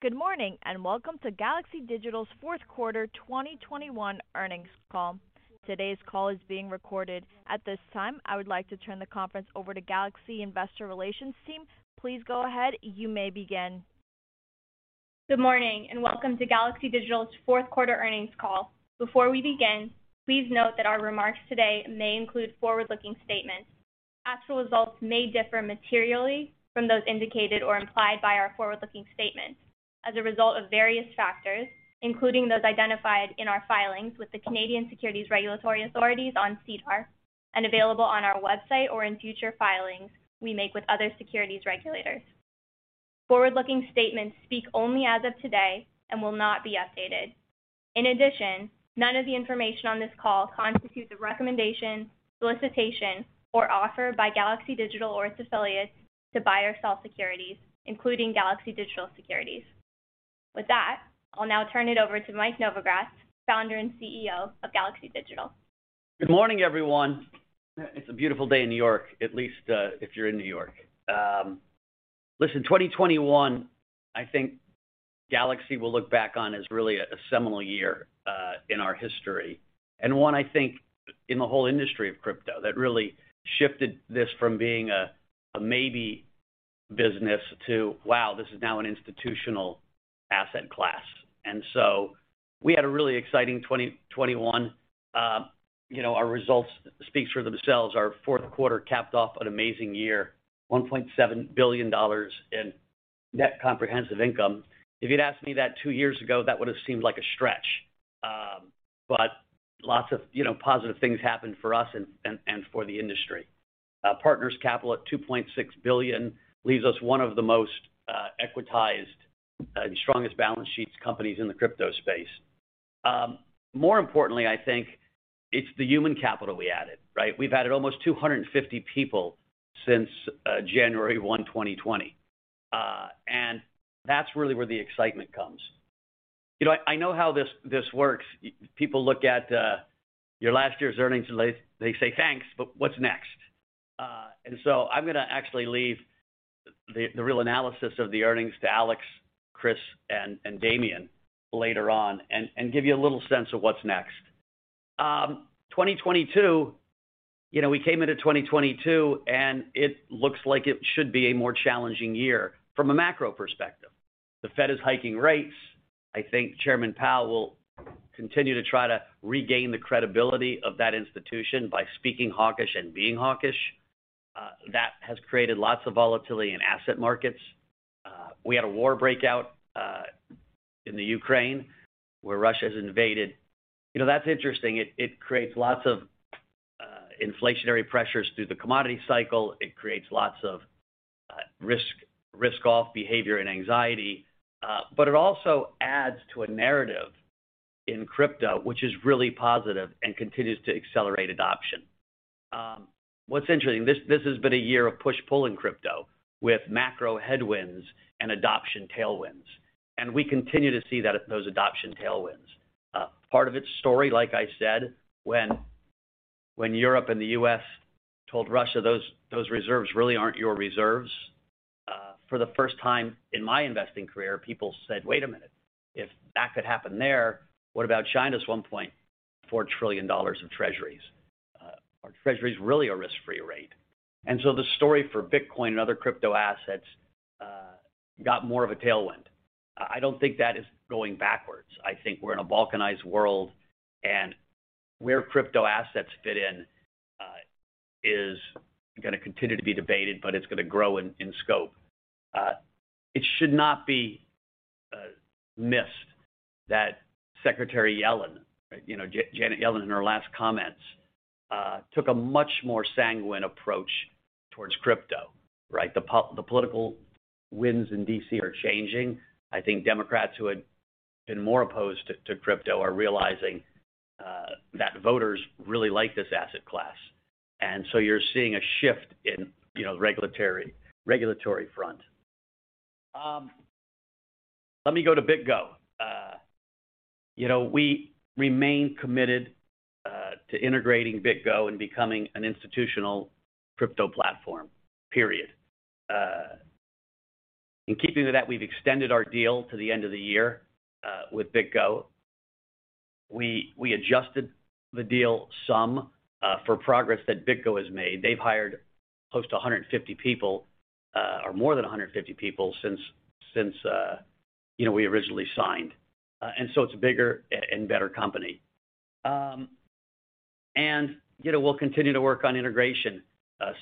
Good morning, and welcome to Galaxy Digital's Fourth Quarter 2021 Earnings Call. Today's call is being recorded. At this time, I would like to turn the conference over to Galaxy Investor Relations team. Please go ahead. You may begin. Good morning, and welcome to Galaxy Digital's fourth quarter earnings call. Before we begin, please note that our remarks today may include forward-looking statements. Actual results may differ materially from those indicated or implied by our forward-looking statements as a result of various factors, including those identified in our filings with the Canadian securities regulatory authorities on SEDAR and available on our website or in future filings we make with other securities regulators. Forward-looking statements speak only as of today and will not be updated. In addition, none of the information on this call constitutes a recommendation, solicitation, or offer by Galaxy Digital or its affiliates to buy or sell securities, including Galaxy Digital securities. With that, I'll now turn it over to Mike Novogratz, Founder and CEO of Galaxy Digital. Good morning, everyone. It's a beautiful day in New York, at least if you're in New York. Listen, 2021, I think Galaxy will look back on as really a seminal year in our history, and one I think in the whole industry of crypto that really shifted this from being a maybe business to wow, this is now an institutional asset class. We had a really exciting 2021. You know, our results speaks for themselves. Our fourth quarter capped off an amazing year, $1.7 billion in net comprehensive income. If you'd asked me that two years ago, that would have seemed like a stretch, but lots of you know, positive things happened for us and for the industry. Partners capital at $2.6 billion leaves us one of the most equitized and strongest balance sheets companies in the crypto space. More importantly, I think it's the human capital we added, right? We've added almost 250 people since January 1, 2020. And that's really where the excitement comes. You know, I know how this works. People look at your last year's earnings, and they say, "Thanks, but what's next?" I'm gonna actually leave the real analysis of the earnings to Alex, Chris, and Damien later on and give you a little sense of what's next. 2022, you know, we came into 2022, and it looks like it should be a more challenging year from a macro perspective. The Fed is hiking rates. I think Chairman Powell will continue to try to regain the credibility of that institution by speaking hawkish and being hawkish. That has created lots of volatility in asset markets. We had a war breakout in the Ukraine, where Russia has invaded. You know, that's interesting. It creates lots of inflationary pressures through the commodity cycle. It creates lots of risk-off behavior and anxiety, but it also adds to a narrative in crypto, which is really positive and continues to accelerate adoption. What's interesting, this has been a year of push, pull in crypto with macro headwinds and adoption tailwinds, and we continue to see that, those adoption tailwinds. Part of its story, like I said, when Europe and the U.S. told Russia, "Those reserves really aren't your reserves," for the first time in my investing career, people said, "Wait a minute, if that could happen there, what about China's $1.4 trillion of treasuries? Are treasuries really a risk-free rate?" The story for Bitcoin and other crypto assets got more of a tailwind. I don't think that is going backwards. I think we're in a balkanized world, and where crypto assets fit in is gonna continue to be debated, but it's gonna grow in scope. It should not be missed that Secretary Yellen, you know, Janet Yellen, in her last comments, took a much more sanguine approach towards crypto, right? The political winds in D.C. are changing. I think Democrats who had been more opposed to crypto are realizing that voters really like this asset class. You're seeing a shift in you know regulatory front. Let me go to BitGo. We remain committed to integrating BitGo and becoming an institutional crypto platform, period. In keeping to that, we've extended our deal to the end of the year with BitGo. We adjusted the deal some for progress that BitGo has made. They've hired close to 150 people or more than 150 people since you know we originally signed. It's a bigger and better company. You know, we'll continue to work on integration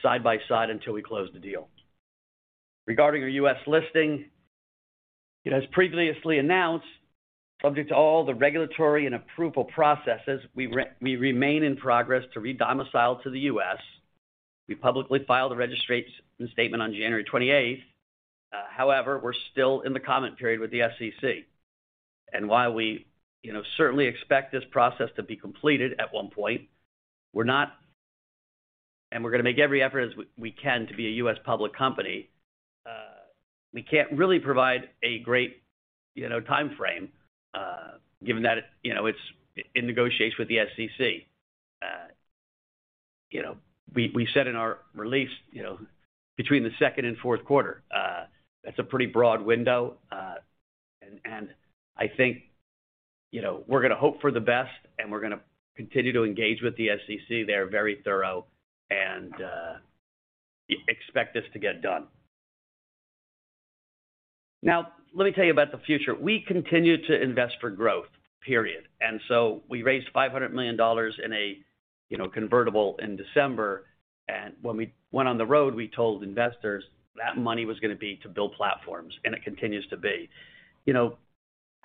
side by side until we close the deal. Regarding our U.S. listing, you know, as previously announced, subject to all the regulatory and approval processes, we remain in progress to re-domicile to the U.S. We publicly filed a registration statement on January twenty-eighth. However, we're still in the comment period with the SEC. While we, you know, certainly expect this process to be completed at one point, we're gonna make every effort as we can to be a U.S. public company, we can't really provide a great, you know, timeframe, given that, you know, it's in negotiations with the SEC. We said in our release, you know, between the second and fourth quarter, that's a pretty broad window. I think, you know, we're gonna hope for the best, and we're gonna continue to engage with the SEC. They're very thorough and expect this to get done. Now, let me tell you about the future. We continue to invest for growth, period. We raised $500 million in a convertible in December. When we went on the road, we told investors that money was gonna be to build platforms, and it continues to be.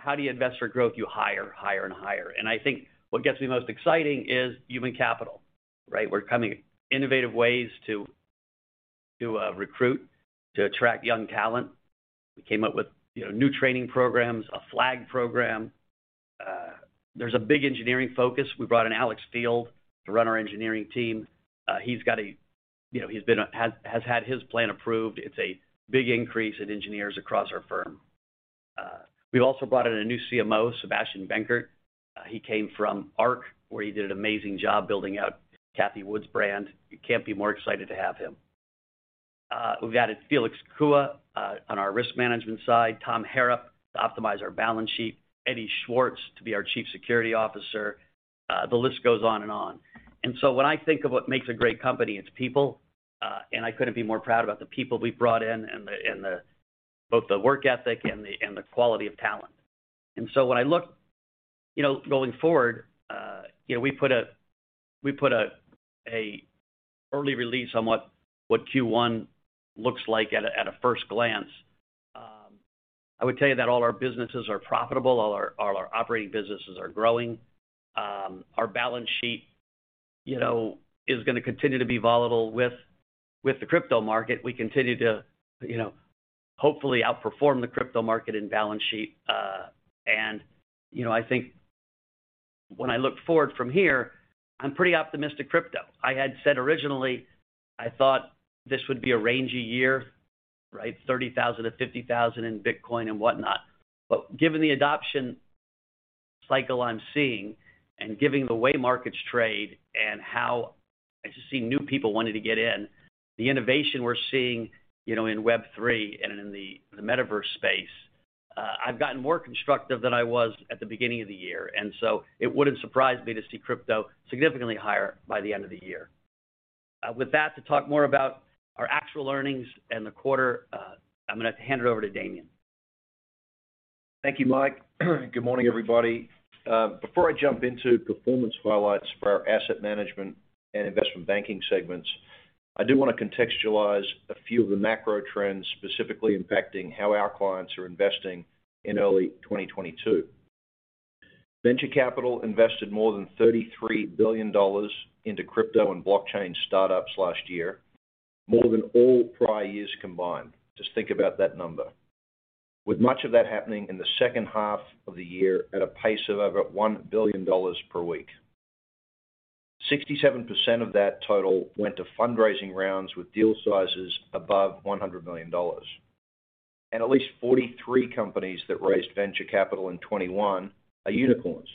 How do you invest for growth? You hire, and hire. I think what gets me most excited is human capital, right? We're coming up with innovative ways to recruit to attract young talent. We came up with new training programs, a flag program. There's a big engineering focus. We brought in Alex Field to run our engineering team. He's had his plan approved. It's a big increase in engineers across our firm. We've also brought in a new CMO, Sebastian Benkert. He came from ARK, where he did an amazing job building out Cathie Wood's brand. We can't be more excited to have him. We've added Felix Cua on our risk management side, Tom Harrop to optimize our balance sheet, Eddie Schwartz to be our Chief Security Officer. The list goes on and on. When I think of what makes a great company, it's people, and I couldn't be more proud about the people we've brought in and both the work ethic and the quality of talent. When I look, you know, going forward, you know, we put an early release on what Q1 looks like at a first glance. I would tell you that all our businesses are profitable. All our operating businesses are growing. Our balance sheet, you know, is gonna continue to be volatile with the crypto market. We continue to, you know, hopefully outperform the crypto market in balance sheet. You know, I think when I look forward from here, I'm pretty optimistic crypto. I had said originally I thought this would be a rangy year, right? $30,000-$50,000 in Bitcoin and whatnot. Given the adoption cycle I'm seeing and given the way markets trade and how I just see new people wanting to get in, the innovation we're seeing, you know, in Web3 and in the metaverse space, I've gotten more constructive than I was at the beginning of the year. It wouldn't surprise me to see crypto significantly higher by the end of the year. With that, to talk more about our actual earnings and the quarter, I'm gonna hand it over to Damien. Thank you, Mike. Good morning, everybody. Before I jump into performance highlights for our asset management and investment banking segments, I do wanna contextualize a few of the macro trends specifically impacting how our clients are investing in early 2022. Venture capital invested more than $33 billion into crypto and blockchain startups last year, more than all prior years combined. Just think about that number. With much of that happening in the second half of the year at a pace of over $1 billion per week. 67% of that total went to fundraising rounds with deal sizes above $100 million. At least 43 companies that raised venture capital in 2021 are unicorns.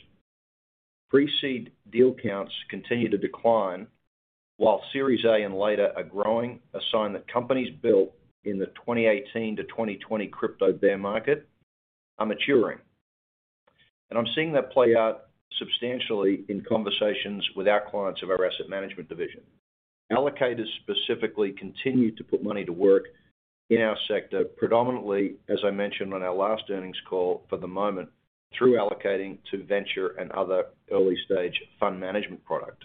Pre-seed deal counts continue to decline, while Series A and later are growing, a sign that companies built in the 2018-2020 crypto bear market are maturing. I'm seeing that play out substantially in conversations with our clients of our asset management division. Allocators specifically continue to put money to work in our sector, predominantly, as I mentioned on our last earnings call for the moment, through allocating to venture and other early-stage fund management product.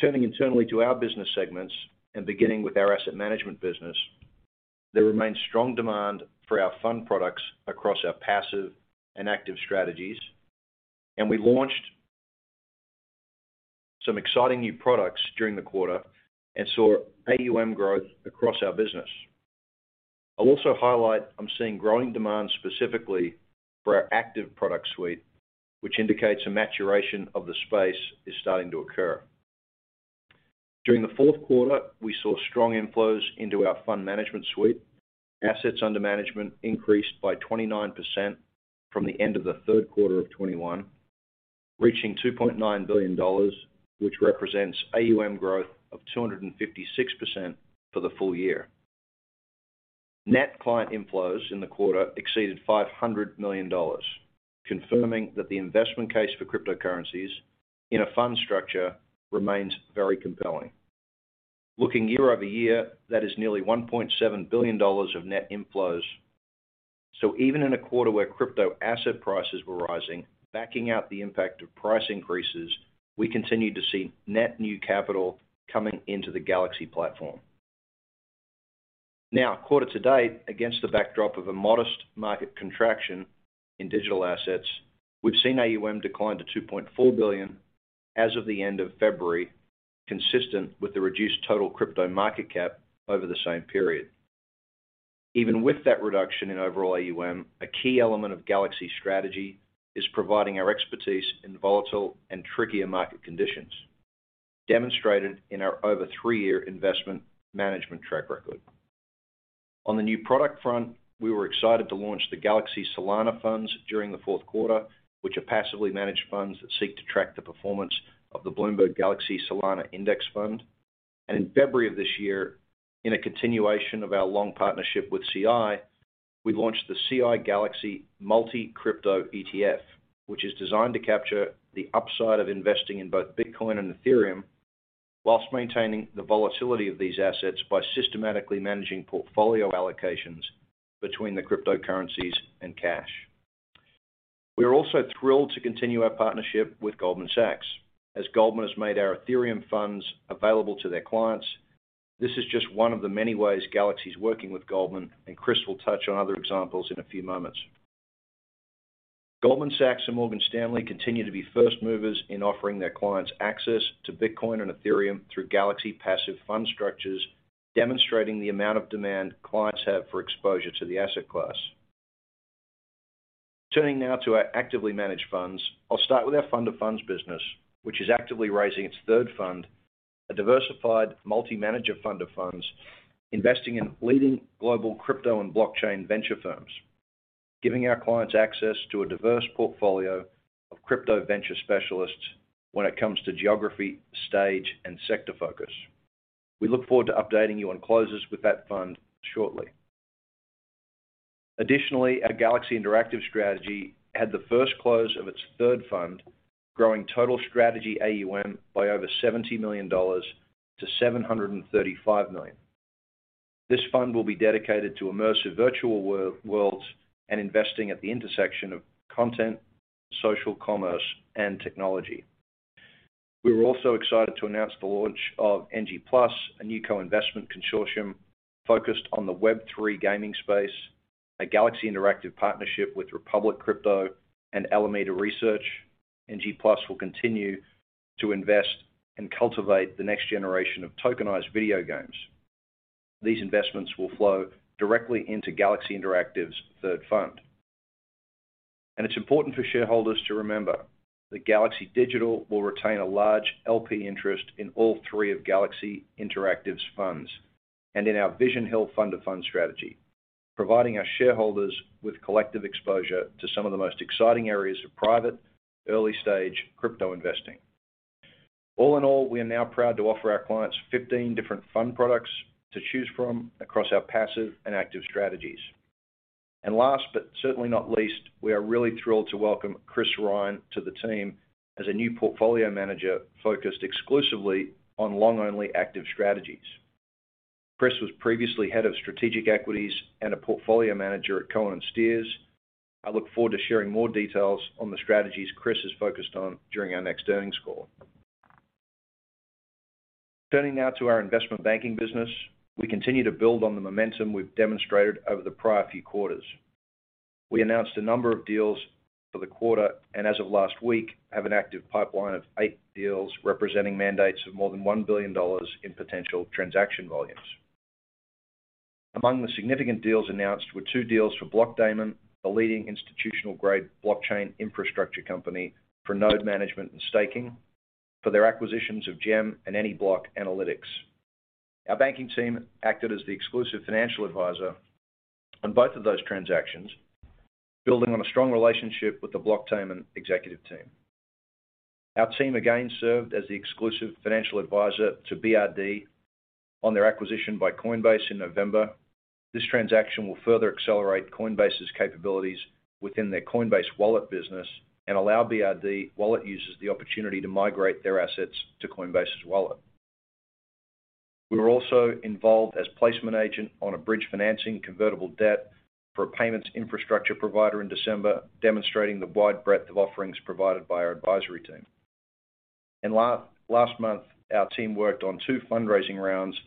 Turning internally to our business segments and beginning with our asset management business, there remains strong demand for our fund products across our passive and active strategies, and we launched some exciting new products during the quarter and saw AUM growth across our business. I'll also highlight I'm seeing growing demand specifically for our active product suite, which indicates a maturation of the space is starting to occur. During the fourth quarter, we saw strong inflows into our fund management suite. Assets under management increased by 29% from the end of the third quarter of 2021, reaching $2.9 billion, which represents AUM growth of 256% for the full year. Net client inflows in the quarter exceeded $500 million, confirming that the investment case for cryptocurrencies in a fund structure remains very compelling. Looking year over year, that is nearly $1.7 billion of net inflows. Even in a quarter where crypto asset prices were rising, backing out the impact of price increases, we continued to see net new capital coming into the Galaxy platform. Now, quarter to date, against the backdrop of a modest market contraction in digital assets, we've seen AUM decline to $2.4 billion as of the end of February, consistent with the reduced total crypto market cap over the same period. Even with that reduction in overall AUM, a key element of Galaxy strategy is providing our expertise in volatile and trickier market conditions, demonstrated in our over three-year investment management track record. On the new product front, we were excited to launch the Galaxy Solana Funds during the fourth quarter, which are passively managed funds that seek to track the performance of the Bloomberg Galaxy Solana Index. In February of this year, in a continuation of our long partnership with CI, we launched the CI Galaxy Multi-Crypto ETF, which is designed to capture the upside of investing in both Bitcoin and Ethereum while maintaining the volatility of these assets by systematically managing portfolio allocations between the cryptocurrencies and cash. We are also thrilled to continue our partnership with Goldman Sachs. As Goldman has made our Ethereum funds available to their clients, this is just one of the many ways Galaxy's working with Goldman, and Chris will touch on other examples in a few moments. Goldman Sachs and Morgan Stanley continue to be first movers in offering their clients access to Bitcoin and Ethereum through Galaxy Passive fund structures, demonstrating the amount of demand clients have for exposure to the asset class. Turning now to our actively managed funds, I'll start with our fund of funds business, which is actively raising its third fund, a diversified multi-manager fund of funds investing in leading global crypto and blockchain venture firms, giving our clients access to a diverse portfolio of crypto venture specialists when it comes to geography, stage, and sector focus. We look forward to updating you on closes with that fund shortly. Additionally, our Galaxy Interactive strategy had the first close of its third fund, growing total strategy AUM by over $70 million-$735 million. This fund will be dedicated to immersive virtual worlds and investing at the intersection of content, social commerce, and technology. We are also excited to announce the launch of NG+, a new co-investment consortium focused on the Web3 gaming space, a Galaxy Interactive partnership with Republic Crypto and Alameda Research. NG+ will continue to invest and cultivate the next generation of tokenized video games. These investments will flow directly into Galaxy Interactive's third fund. It's important for shareholders to remember that Galaxy Digital will retain a large LP interest in all three of Galaxy Interactive's funds and in our Vision Hill fund of funds strategy, providing our shareholders with collective exposure to some of the most exciting areas of private, early-stage crypto investing. All in all, we are now proud to offer our clients 15 different fund products to choose from across our passive and active strategies. Last but certainly not least, we are really thrilled to welcome Chris Rhine to the team as a new portfolio manager focused exclusively on long-only active strategies. Chris was previously head of strategic equities and a portfolio manager at Cohen & Steers. I look forward to sharing more details on the strategies Chris is focused on during our next earnings call. Turning now to our investment banking business, we continue to build on the momentum we've demonstrated over the prior few quarters. We announced a number of deals for the quarter, and as of last week, have an active pipeline of eight deals representing mandates of more than $1 billion in potential transaction volumes. Among the significant deals announced were two deals for Blockdaemon, a leading institutional-grade blockchain infrastructure company for node management and staking, for their acquisitions of Gem and Anyblock Analytics. Our banking team acted as the exclusive financial advisor on both of those transactions, building on a strong relationship with the Blockdaemon executive team. Our team again served as the exclusive financial advisor to BRD on their acquisition by Coinbase in November. This transaction will further accelerate Coinbase's capabilities within their Coinbase Wallet business and allow BRD wallet users the opportunity to migrate their assets to Coinbase Wallet. We were also involved as placement agent on a bridge financing convertible debt for a payments infrastructure provider in December, demonstrating the wide breadth of offerings provided by our advisory team. Last month, our team worked on two fundraising rounds,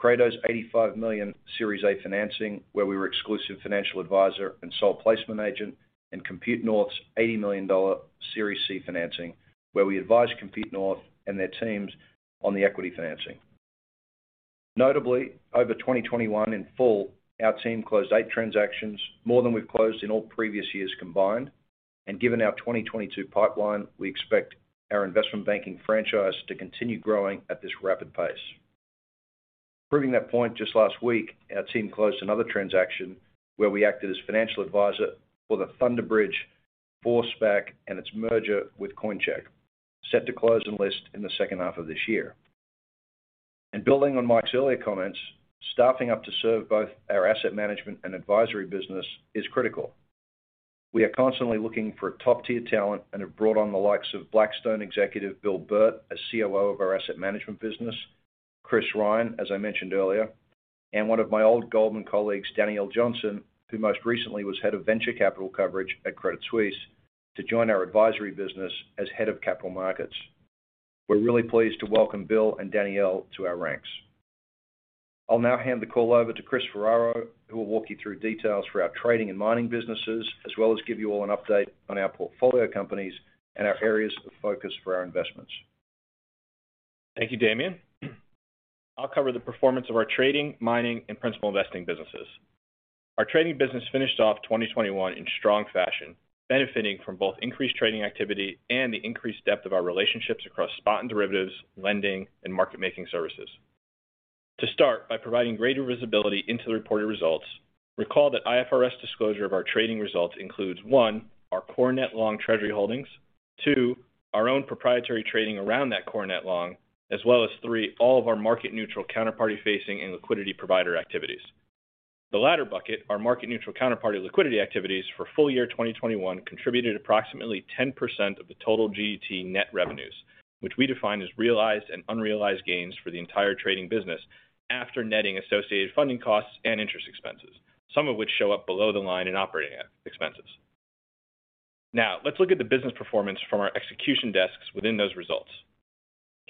Kratos' $85 million Series A financing, where we were exclusive financial advisor and sole placement agent, and Compute North's $80 million Series C financing, where we advised Compute North and their teams on the equity financing. Notably, over 2021 in full, our team closed eight transactions, more than we've closed in all previous years combined. Given our 2022 pipeline, we expect our investment banking franchise to continue growing at this rapid pace. Proving that point just last week, our team closed another transaction where we acted as financial advisor for the Thunder Bridge Capital Partners IV SPAC and its merger with Coincheck, set to close and list in the second half of this year. Building on Mike's earlier comments, staffing up to serve both our asset management and advisory business is critical. We are constantly looking for top-tier talent and have brought on the likes of Blackstone executive Bill Burt as COO of our asset management business, Chris Rhine, as I mentioned earlier, and one of my old Goldman colleagues, Danielle Johnson, who most recently was head of venture capital coverage at Credit Suisse, to join our advisory business as head of capital markets. We're really pleased to welcome Bill and Danielle to our ranks. I'll now hand the call over to Chris Ferraro, who will walk you through details for our trading and mining businesses, as well as give you all an update on our portfolio companies and our areas of focus for our investments. Thank you, Damien. I'll cover the performance of our trading, mining, and principal investing businesses. Our trading business finished off 2021 in strong fashion, benefiting from both increased trading activity and the increased depth of our relationships across spot and derivatives, lending, and market making services. To start by providing greater visibility into the reported results, recall that IFRS disclosure of our trading results includes one, our core net long treasury holdings, two, our own proprietary trading around that core net long, as well as three, all of our market neutral counterparty facing and liquidity provider activities. The latter bucket, our market neutral counterparty liquidity activities for full year 2021 contributed approximately 10% of the total GDT net revenues, which we define as realized and unrealized gains for the entire trading business after netting associated funding costs and interest expenses, some of which show up below the line in operating expenses. Now, let's look at the business performance from our execution desks within those results.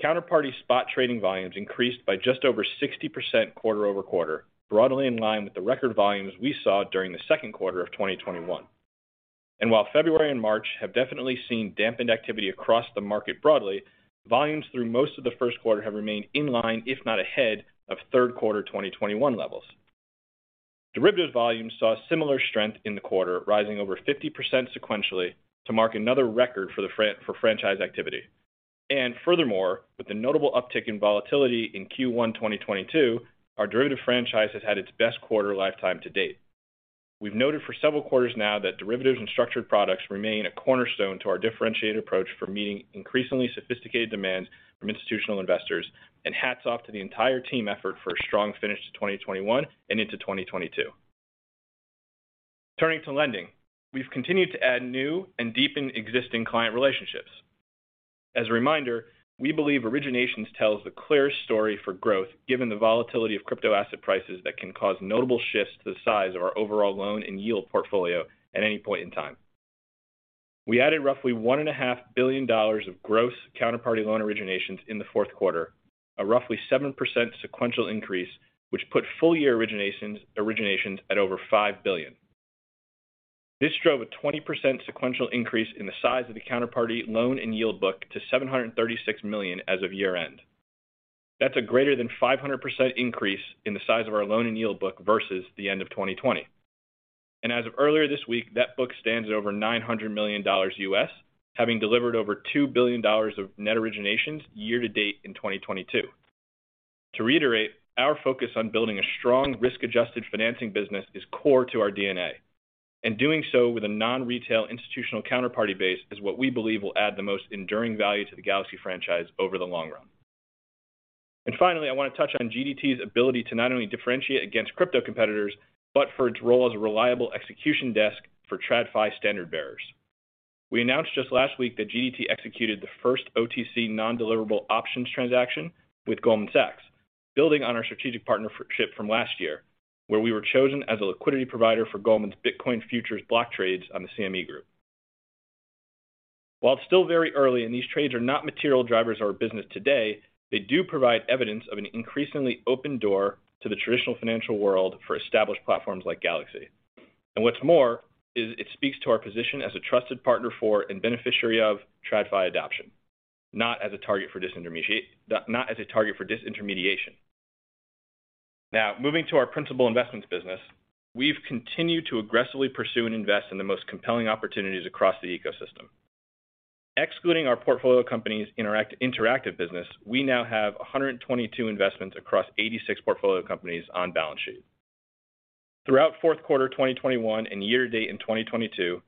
Counterparty spot trading volumes increased by just over 60% quarter-over-quarter, broadly in line with the record volumes we saw during the second quarter of 2021. While February and March have definitely seen dampened activity across the market broadly, volumes through most of the first quarter have remained in line, if not ahead, of third quarter 2021 levels. Derivative volumes saw similar strength in the quarter, rising over 50% sequentially to mark another record for franchise activity. Furthermore, with the notable uptick in volatility in Q1 2022, our derivative franchise has had its best quarter lifetime to date. We've noted for several quarters now that derivatives and structured products remain a cornerstone to our differentiated approach for meeting increasingly sophisticated demands from institutional investors, and hats off to the entire team effort for a strong finish to 2021 and into 2022. Turning to lending, we've continued to add new and deepen existing client relationships. As a reminder, we believe originations tells the clearest story for growth given the volatility of crypto asset prices that can cause notable shifts to the size of our overall loan and yield portfolio at any point in time. We added roughly $1.5 billion of gross counterparty loan originations in the fourth quarter, a roughly 7% sequential increase, which put full-year originations at over $5 billion. This drove a 20% sequential increase in the size of the counterparty loan and yield book to $736 million as of year-end. That's a greater than 500% increase in the size of our loan and yield book versus the end of 2020. As of earlier this week, that book stands at over $900 million, having delivered over $2 billion of net originations year to date in 2022. To reiterate, our focus on building a strong risk-adjusted financing business is core to our DNA, and doing so with a non-retail institutional counterparty base is what we believe will add the most enduring value to the Galaxy franchise over the long run. Finally, I want to touch on GDT's ability to not only differentiate against crypto competitors, but for its role as a reliable execution desk for TradFi standard-bearers. We announced just last week that GDT executed the first OTC non-deliverable options transaction with Goldman Sachs, building on our strategic partnership from last year, where we were chosen as a liquidity provider for Goldman's Bitcoin futures block trades on the CME Group. While it's still very early and these trades are not material drivers of our business today, they do provide evidence of an increasingly open door to the traditional financial world for established platforms like Galaxy. What's more is it speaks to our position as a trusted partner for and beneficiary of TradFi adoption, not as a target for disintermediation. Now, moving to our principal investments business, we've continued to aggressively pursue and invest in the most compelling opportunities across the ecosystem. Excluding our portfolio companies interactive business, we now have 122 investments across 86 portfolio companies on balance sheet. Throughout fourth quarter 2021 and year to date in 2022,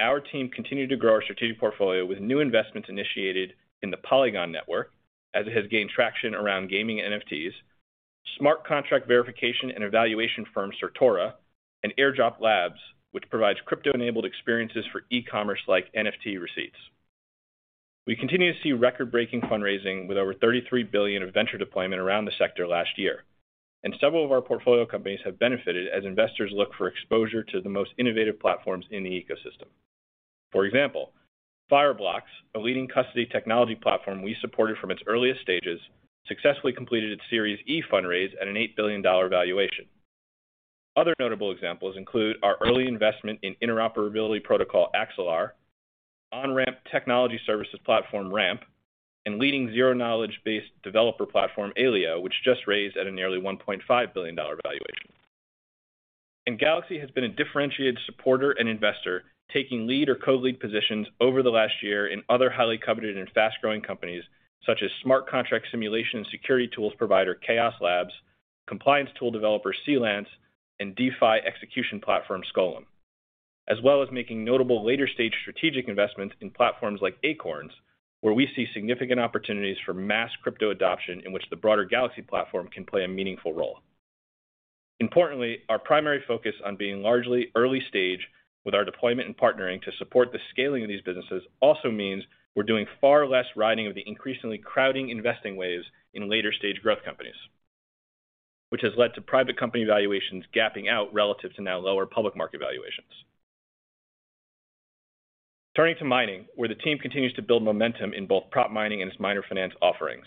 our team continued to grow our strategic portfolio with new investments initiated in the Polygon network, as it has gained traction around gaming NFTs, smart contract verification and evaluation firm Certora, and Airdrop Labs, which provides crypto-enabled experiences for e-commerce like NFT receipts. We continue to see record-breaking fundraising with over $33 billion of venture deployment around the sector last year, and several of our portfolio companies have benefited as investors look for exposure to the most innovative platforms in the ecosystem. For example, Fireblocks, a leading custody technology platform we supported from its earliest stages, successfully completed its Series E fundraise at an $8 billion valuation. Other notable examples include our early investment in interoperability protocol Axelar, on-ramp technology services platform Ramp, and leading zero-knowledge-based developer platform Aleo, which just raised at a nearly $1.5 billion valuation. Galaxy has been a differentiated supporter and investor, taking lead or co-lead positions over the last year in other highly coveted and fast-growing companies, such as smart contract simulation and security tools provider Chaos Labs, compliance tool developer Sealance, and DeFi execution platform Skolem, as well as making notable later-stage strategic investments in platforms like Acorns, where we see significant opportunities for mass crypto adoption in which the broader Galaxy platform can play a meaningful role. Importantly, our primary focus on being largely early stage with our deployment and partnering to support the scaling of these businesses also means we're doing far less riding of the increasingly crowding investing waves in later-stage growth companies, which has led to private company valuations gapping out relative to now lower public market valuations. Turning to mining, where the team continues to build momentum in both prop mining and its miner finance offerings.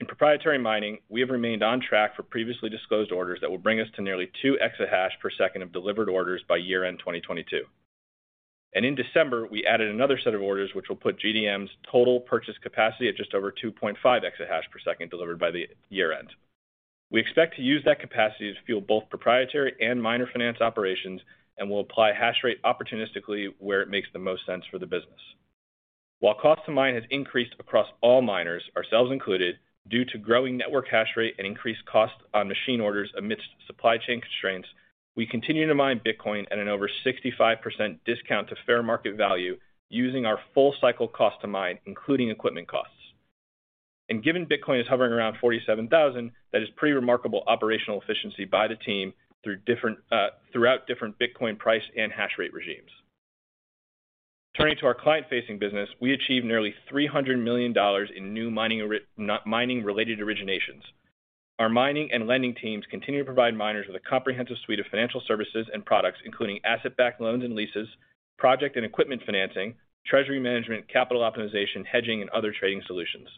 In proprietary mining, we have remained on track for previously disclosed orders that will bring us to nearly two exahash per second of delivered orders by year-end 2022. In December, we added another set of orders, which will put GDM's total purchase capacity at just over 2.5 exahash per second delivered by the year-end. We expect to use that capacity to fuel both proprietary and miner finance operations, and we'll apply hash rate opportunistically where it makes the most sense for the business. While cost to mine has increased across all miners, ourselves included, due to growing network hash rate and increased cost on machine orders amidst supply chain constraints, we continue to mine Bitcoin at an over 65% discount to fair market value using our full cycle cost to mine, including equipment costs. Given Bitcoin is hovering around $47,000, that is pretty remarkable operational efficiency by the team throughout different Bitcoin price and hash rate regimes. Turning to our client-facing business, we achieved nearly $300 million in new mining-related originations. Our mining and lending teams continue to provide miners with a comprehensive suite of financial services and products, including asset-backed loans and leases, project and equipment financing, treasury management, capital optimization, hedging, and other trading solutions.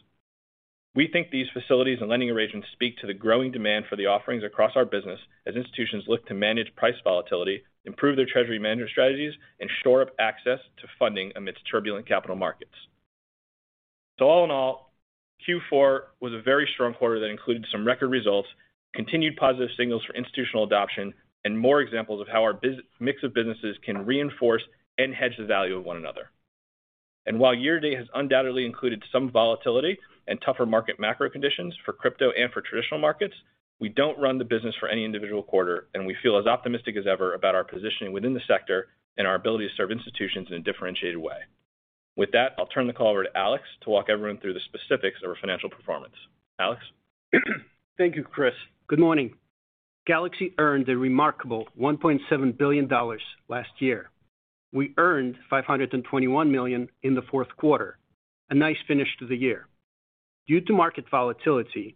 We think these facilities and lending arrangements speak to the growing demand for the offerings across our business as institutions look to manage price volatility, improve their treasury management strategies, and shore up access to funding amidst turbulent capital markets. All in all, Q4 was a very strong quarter that included some record results, continued positive signals for institutional adoption, and more examples of how our business mix of businesses can reinforce and hedge the value of one another. While year-to-date has undoubtedly included some volatility and tougher market macro conditions for crypto and for traditional markets, we don't run the business for any individual quarter, and we feel as optimistic as ever about our positioning within the sector and our ability to serve institutions in a differentiated way. With that, I'll turn the call over to Alex to walk everyone through the specifics of our financial performance. Alex? Thank you, Chris. Good morning. Galaxy earned a remarkable $1.7 billion last year. We earned $521 million in the fourth quarter, a nice finish to the year. Due to market volatility,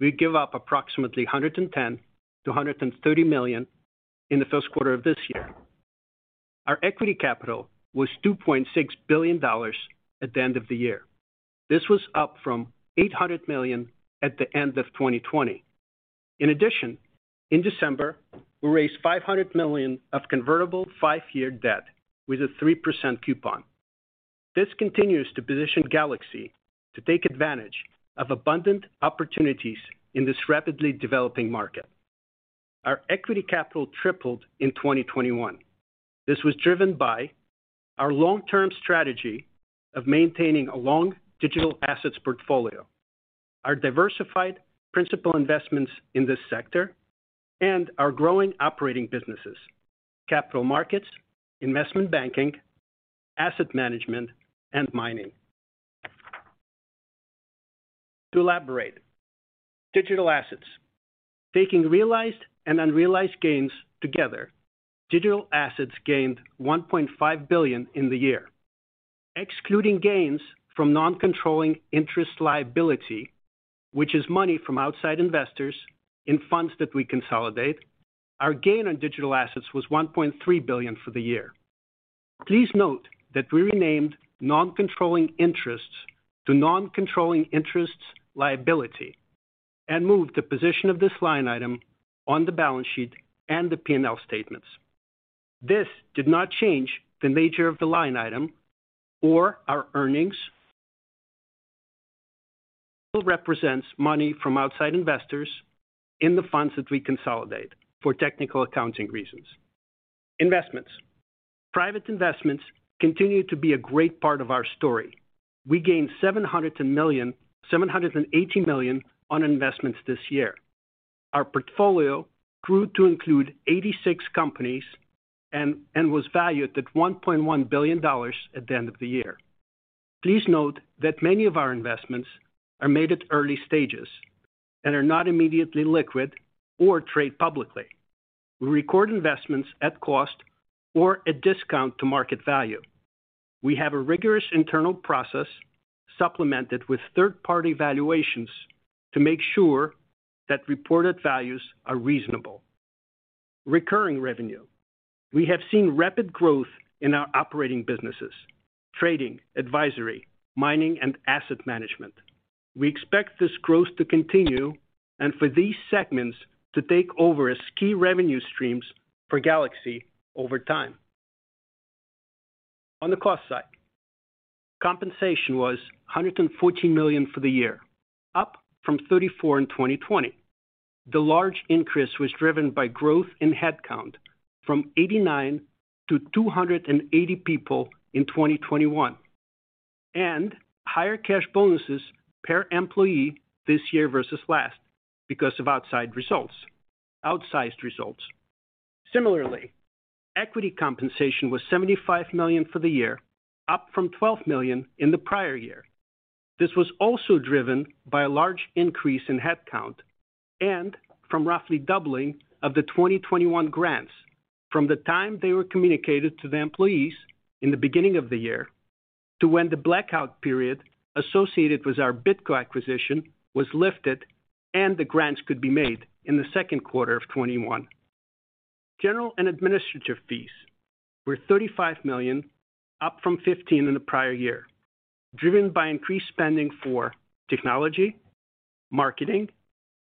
we give up approximately $110 million-$130 million in the first quarter of this year. Our equity capital was $2.6 billion at the end of the year. This was up from $800 million at the end of 2020. In addition, in December, we raised $500 million of convertible 5-year debt with a 3% coupon. This continues to position Galaxy to take advantage of abundant opportunities in this rapidly developing market. Our equity capital tripled in 2021. This was driven by our long-term strategy of maintaining a long digital assets portfolio, our diversified principal investments in this sector, and our growing operating businesses, capital markets, investment banking, asset management, and mining. To elaborate, digital assets. Taking realized and unrealized gains together, digital assets gained $1.5 billion in the year. Excluding gains from non-controlling interest liability, which is money from outside investors in funds that we consolidate, our gain on digital assets was $1.3 billion for the year. Please note that we renamed non-controlling interests to non-controlling interests liability and moved the position of this line item on the balance sheet and the P&L statements. This did not change the nature of the line item or our earnings. It still represents money from outside investors in the funds that we consolidate for technical accounting reasons. Investments. Private investments continue to be a great part of our story. We gained $780 million on investments this year. Our portfolio grew to include 86 companies and was valued at $1.1 billion at the end of the year. Please note that many of our investments are made at early stages and are not immediately liquid or trade publicly. We record investments at cost or at discount to market value. We have a rigorous internal process supplemented with third-party valuations to make sure that reported values are reasonable. Recurring revenue. We have seen rapid growth in our operating businesses, trading, advisory, mining, and asset management. We expect this growth to continue and for these segments to take over as key revenue streams for Galaxy over time. On the cost side, compensation was $114 million for the year, up from $34 million in 2020. The large increase was driven by growth in headcount from 89 to 280 people in 2021, and higher cash bonuses per employee this year versus last because of outsized results. Similarly, equity compensation was $75 million for the year, up from $12 million in the prior year. This was also driven by a large increase in headcount and from roughly doubling of the 2021 grants from the time they were communicated to the employees in the beginning of the year to when the blackout period associated with our BitGo acquisition was lifted, and the grants could be made in the second quarter of 2021. General and administrative fees were $35 million, up from $15 million in the prior year, driven by increased spending for technology, marketing,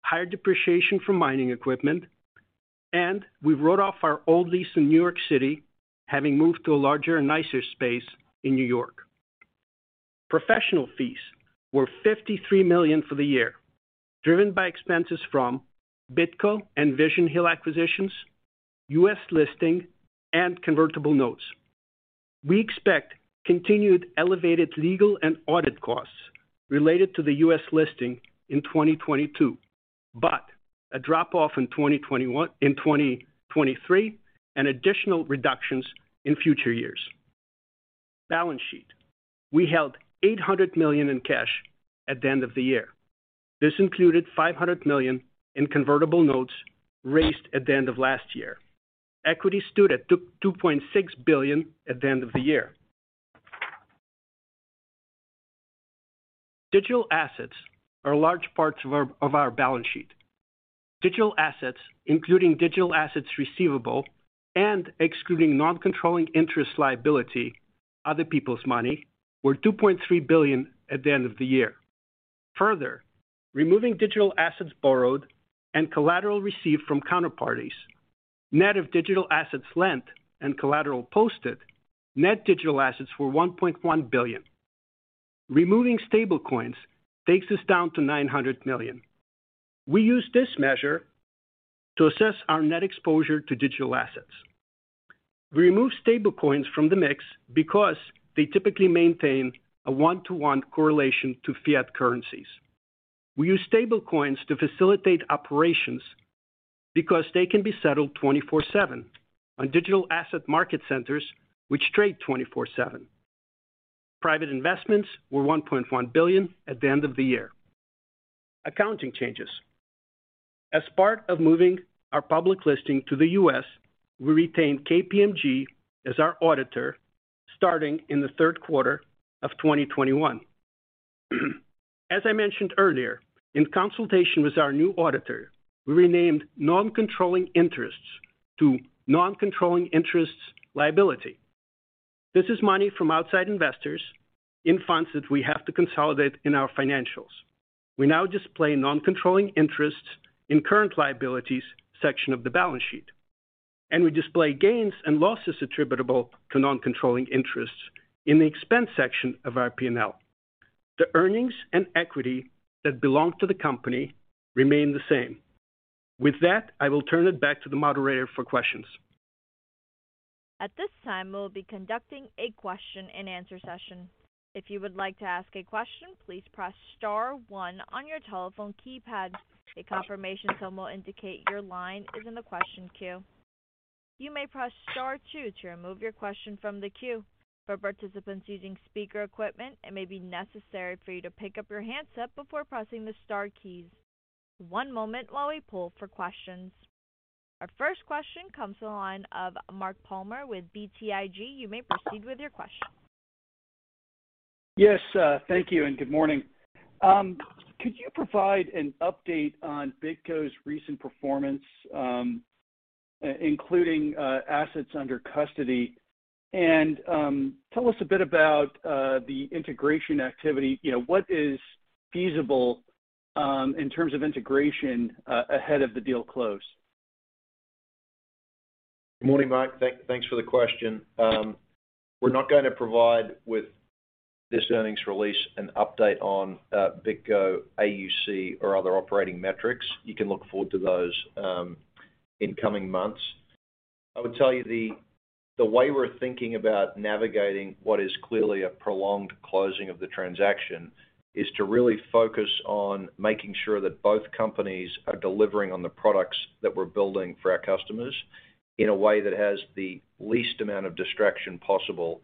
higher depreciation from mining equipment, and we wrote off our old lease in New York City, having moved to a larger and nicer space in New York. Professional fees were $53 million for the year, driven by expenses from BitGo and Vision Hill acquisitions, U.S. listing and convertible notes. We expect continued elevated legal and audit costs related to the U.S. listing in 2022, but a drop off in 2023 and additional reductions in future years. Balance sheet. We held $800 million in cash at the end of the year. This included $500 million in convertible notes raised at the end of last year. Equity stood at $2.6 billion at the end of the year. Digital assets are a large part of our balance sheet. Digital assets, including digital assets receivable and excluding non-controlling interests liability, other people's money, were $2.3 billion at the end of the year. Further, removing digital assets borrowed and collateral received from counterparties, net of digital assets lent and collateral posted, net digital assets were $1.1 billion. Removing stablecoins takes us down to $900 million. We use this measure to assess our net exposure to digital assets. We remove stablecoins from the mix because they typically maintain a one-to-one correlation to fiat currencies. We use stablecoins to facilitate operations because they can be settled 24/7 on digital asset market centers which trade 24/7. Private investments were $1.1 billion at the end of the year. Accounting changes. As part of moving our public listing to the U.S., we retained KPMG as our auditor starting in the third quarter of 2021. As I mentioned earlier, in consultation with our new auditor, we renamed non-controlling interests to non-controlling interests liability. This is money from outside investors in funds that we have to consolidate in our financials. We now display non-controlling interests in current liabilities section of the balance sheet, and we display gains and losses attributable to non-controlling interests in the expense section of our P&L. The earnings and equity that belong to the company remain the same. With that, I will turn it back to the moderator for questions. At this time, we'll be conducting a question and answer session. If you would like to ask a question, please press star one on your telephone keypad. A confirmation tone will indicate your line is in the question queue. You may press star two to remove your question from the queue. For participants using speaker equipment, it may be necessary for you to pick up your handset before pressing the star keys. One moment while we pull for questions. Our first question comes to the line of Mark Palmer with BTIG. You may proceed with your question. Yes, thank you and good morning. Could you provide an update on BitGo's recent performance, including assets under custody? Tell us a bit about the integration activity. You know, what is feasible in terms of integration ahead of the deal close? Good morning, Mark. Thanks for the question. We're not gonna provide with this earnings release an update on BitGo, AUC or other operating metrics. You can look forward to those in coming months. I would tell you the way we're thinking about navigating what is clearly a prolonged closing of the transaction is to really focus on making sure that both companies are delivering on the products that we're building for our customers in a way that has the least amount of distraction possible.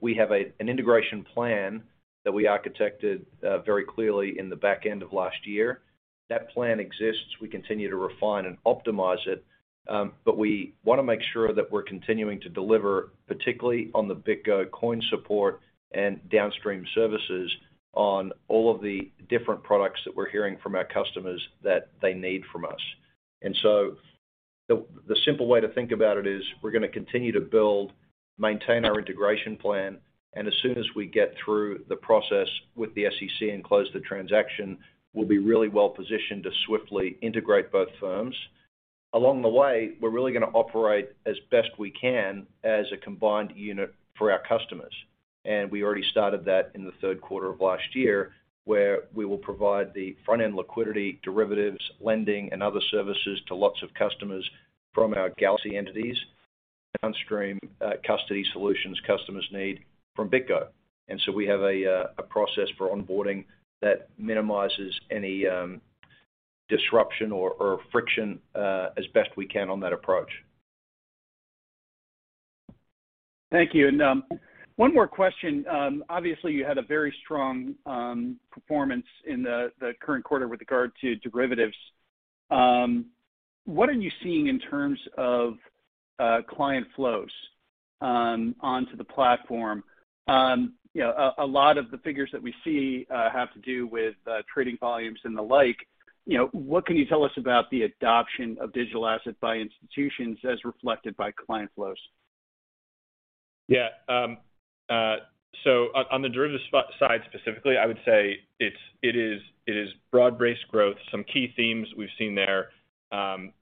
We have an integration plan that we architected very clearly in the back end of last year. That plan exists. We continue to refine and optimize it, but we wanna make sure that we're continuing to deliver, particularly on the BitGo custody support and downstream services on all of the different products that we're hearing from our customers that they need from us. The simple way to think about it is we're gonna continue to build, maintain our integration plan, and as soon as we get through the process with the SEC and close the transaction, we'll be really well positioned to swiftly integrate both firms. Along the way, we're really gonna operate as best we can as a combined unit for our customers, and we already started that in the third quarter of last year, where we will provide the front-end liquidity, derivatives, lending, and other services to lots of customers from our Galaxy entities, downstream custody solutions customers need from BitGo. We have a process for onboarding that minimizes any disruption or friction as best we can on that approach. Thank you. One more question. Obviously, you had a very strong performance in the current quarter with regard to derivatives. What are you seeing in terms of client flows onto the platform? You know, a lot of the figures that we see have to do with trading volumes and the like. You know, what can you tell us about the adoption of digital asset by institutions as reflected by client flows? Yeah. So on the derivatives side specifically, I would say it is broad-based growth. Some key themes we've seen there.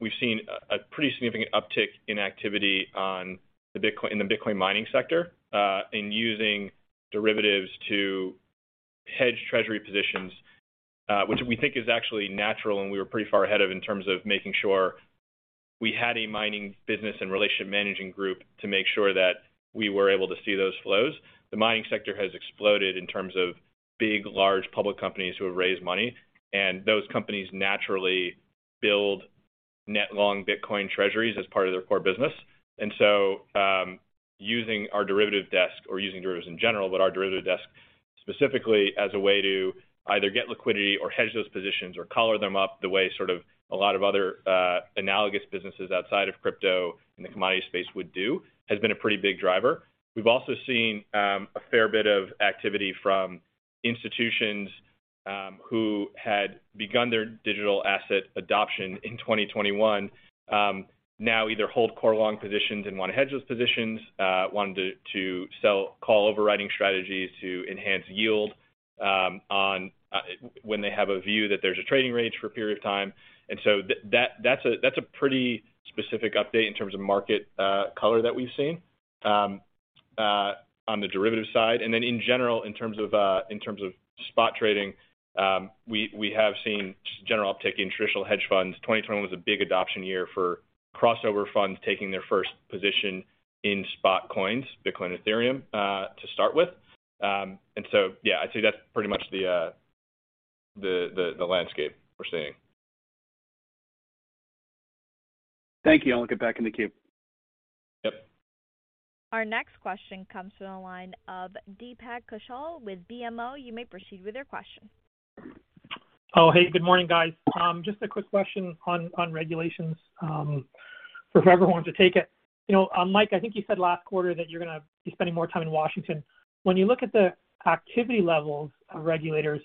We've seen a pretty significant uptick in activity in the Bitcoin mining sector in using derivatives to hedge treasury positions, which we think is actually natural, and we were pretty far ahead of in terms of making sure we had a mining business and relationship managing group to make sure that we were able to see those flows. The mining sector has exploded in terms of big, large public companies who have raised money, and those companies naturally build net long Bitcoin treasuries as part of their core business. Using our derivative desk or using derivatives in general, but our derivative desk specifically as a way to either get liquidity or hedge those positions or color them up the way sort of a lot of other analogous businesses outside of crypto in the commodity space would do has been a pretty big driver. We've also seen a fair bit of activity from institutions who had begun their digital asset adoption in 2021 now either hold core long positions and wanna hedge those positions, want to sell call overwriting strategies to enhance yield on when they have a view that there's a trading range for a period of time. That's a pretty specific update in terms of market color that we've seen on the derivative side. In general, in terms of spot trading, we have seen just general uptick in traditional hedge funds. 2021 was a big adoption year for crossover funds taking their first position in spot coins, Bitcoin and Ethereum, to start with. Yeah, I'd say that's pretty much the landscape we're seeing. Thank you. I'll get back in the queue. Yep. Our next question comes from the line of Deepak Kaushal with BMO. You may proceed with your question. Oh, hey, good morning, guys. Just a quick question on regulations for whoever wants to take it. You know, Mike, I think you said last quarter that you're gonna be spending more time in Washington. When you look at the activity levels of regulators,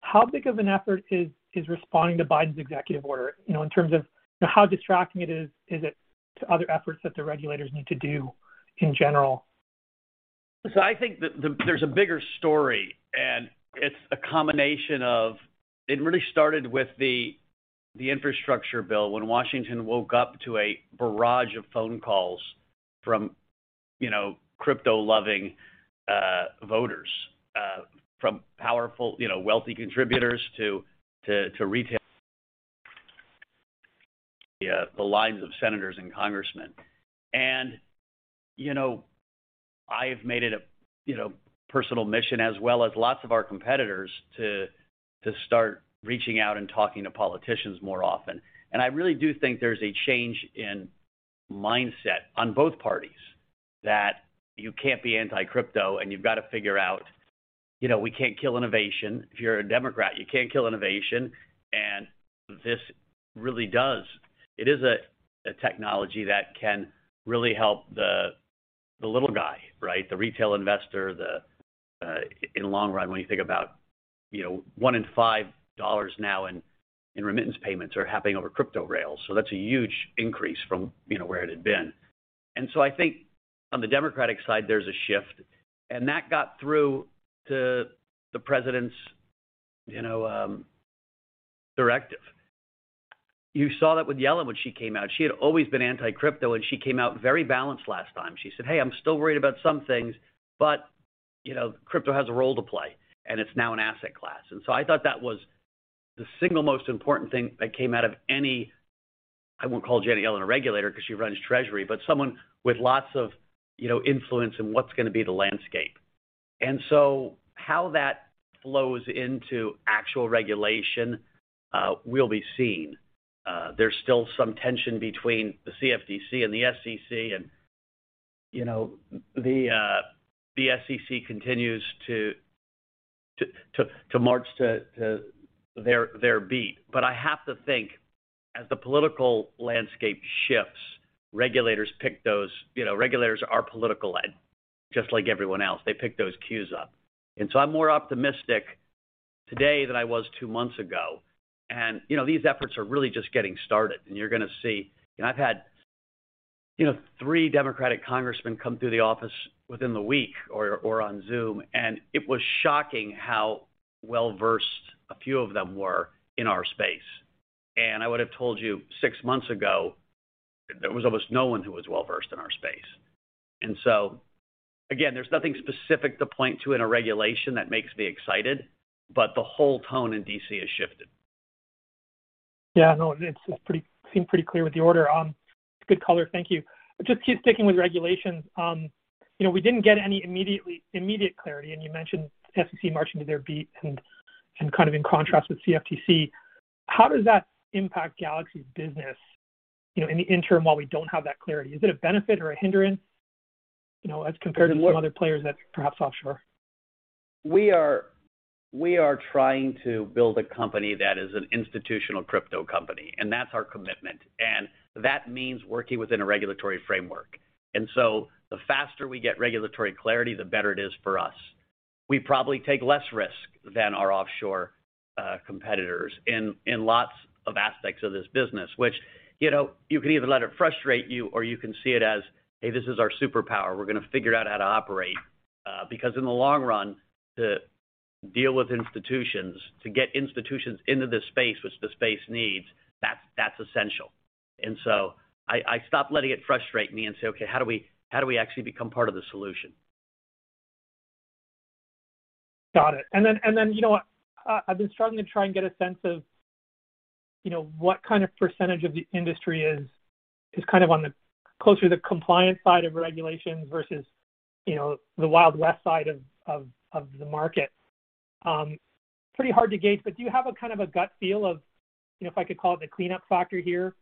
how big of an effort is responding to Biden's executive order, you know, in terms of, you know, how distracting it is to other efforts that the regulators need to do in general? I think that there's a bigger story, and it's a combination of. It really started with the infrastructure bill when Washington woke up to a barrage of phone calls from you know crypto-loving voters from powerful you know wealthy contributors to the lines of senators and congressmen. You know, I've made it a you know personal mission as well as lots of our competitors to start reaching out and talking to politicians more often. I really do think there's a change in mindset on both parties that you can't be anti-crypto, and you've got to figure out you know we can't kill innovation. If you're a Democrat, you can't kill innovation. This really does. It is a technology that can really help the little guy, right? The retail investor, the. In the long run, when you think about, you know, one in five dollars now in remittance payments are happening over crypto rails. That's a huge increase from, you know, where it had been. I think on the Democratic side, there's a shift, and that got through to the president's, you know, directive. You saw that with Janet Yellen when she came out. She had always been anti-crypto, and she came out very balanced last time. She said, "Hey, I'm still worried about some things, but, you know, crypto has a role to play, and it's now an asset class." I thought that was the single most important thing that came out of any. I won't call Janet Yellen a regulator 'cause she runs Treasury, but someone with lots of, you know, influence in what's gonna be the landscape. How that flows into actual regulation will be seen. There's still some tension between the CFTC and the SEC, and, you know, the SEC continues to march to their beat. I have to think, as the political landscape shifts, regulators pick those cues up. You know, regulators are politically led, just like everyone else. I'm more optimistic today than I was two months ago. You know, these efforts are really just getting started, and you're gonna see. I've had three Democratic congressmen come through the office within the week or on Zoom, and it was shocking how well-versed a few of them were in our space. I would have told you six months ago, there was almost no one who was well-versed in our space. Again, there's nothing specific to point to in a regulation that makes me excited, but the whole tone in D.C. has shifted. Yeah, no, it's pretty clear with the order. Good color. Thank you. Just keep sticking with regulations. You know, we didn't get any immediate clarity, and you mentioned SEC marching to their beat and kind of in contrast with CFTC. How does that impact Galaxy's business, you know, in the interim while we don't have that clarity? Is it a benefit or a hindrance, you know, as compared to some other players that perhaps offshore? We are trying to build a company that is an institutional crypto company, and that's our commitment, and that means working within a regulatory framework. The faster we get regulatory clarity, the better it is for us. We probably take less risk than our offshore competitors in lots of aspects of this business, which, you know, you can either let it frustrate you or you can see it as, "Hey, this is our superpower. We're gonna figure out how to operate." Because in the long run to deal with institutions, to get institutions into this space, which the space needs, that's essential. I stopped letting it frustrate me and say, "Okay, how do we actually become part of the solution? Got it. You know, I've been struggling to try and get a sense of, you know, what kind of percentage of the industry is kind of on the closer to the compliance side of regulation versus, you know, the Wild West side of the market. Pretty hard to gauge, but do you have a kind of a gut feel of, you know, if I could call it the cleanup factor here?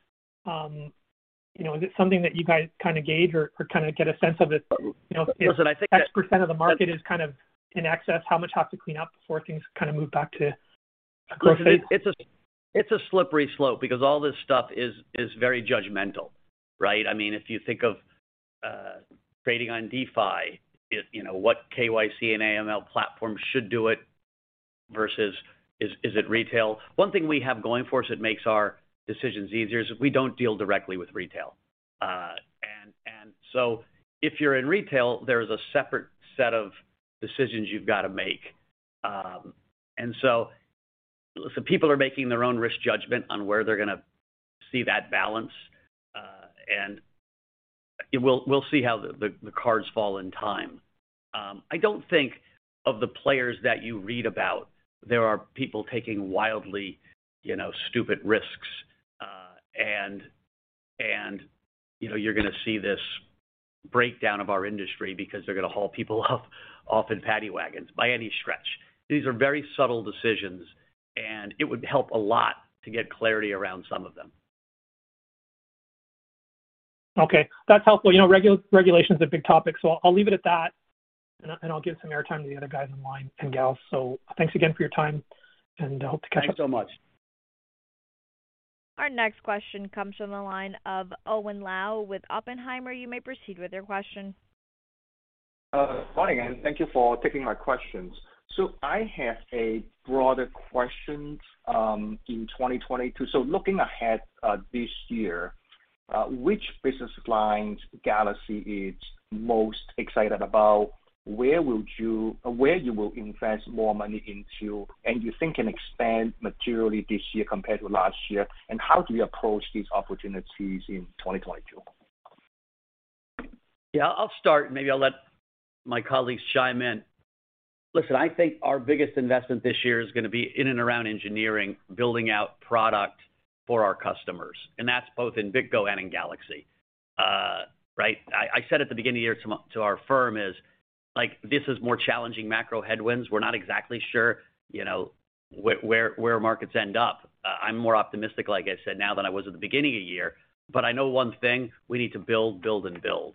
You know, is it something that you guys kind of gauge or kind of get a sense of it? You know- Listen, I think that. If X% of the market is kind of in excess, how much have to clean up before things kind of move back to a growth phase? It's a slippery slope because all this stuff is very judgmental, right? I mean, if you think of trading on DeFi, you know, what KYC and AML platforms should do it versus is it retail? One thing we have going for us that makes our decisions easier is we don't deal directly with retail. If you're in retail, there's a separate set of decisions you've gotta make. Some people are making their own risk judgment on where they're gonna see that balance, and we'll see how the cards fall in time. I don't think of the players that you read about, there are people taking wildly, you know, stupid risks. You know, you're gonna see this breakdown of our industry because they're gonna haul people off in paddy wagons by any stretch. These are very subtle decisions, and it would help a lot to get clarity around some of them. Okay, that's helpful. You know, regulation is a big topic, so I'll leave it at that, and I'll give some airtime to the other guys in line, and gals. Thanks again for your time, and I hope to catch up. Thanks so much. Our next question comes from the line of Owen Lau with Oppenheimer. You may proceed with your question. Morning, and thank you for taking my questions. I have a broader question in 2022. Looking ahead, this year, which business lines Galaxy is most excited about? Where you will invest more money into, and you think can expand materially this year compared to last year? How do you approach these opportunities in 2022? Yeah, I'll start. Maybe I'll let my colleagues chime in. Listen, I think our biggest investment this year is gonna be in and around engineering, building out product for our customers, and that's both in BitGo and in Galaxy. Right. I said at the beginning of the year to our firm, it's like, this is more challenging macro headwinds. We're not exactly sure, you know, where markets end up. I'm more optimistic, like I said, now than I was at the beginning of the year. I know one thing, we need to build and build.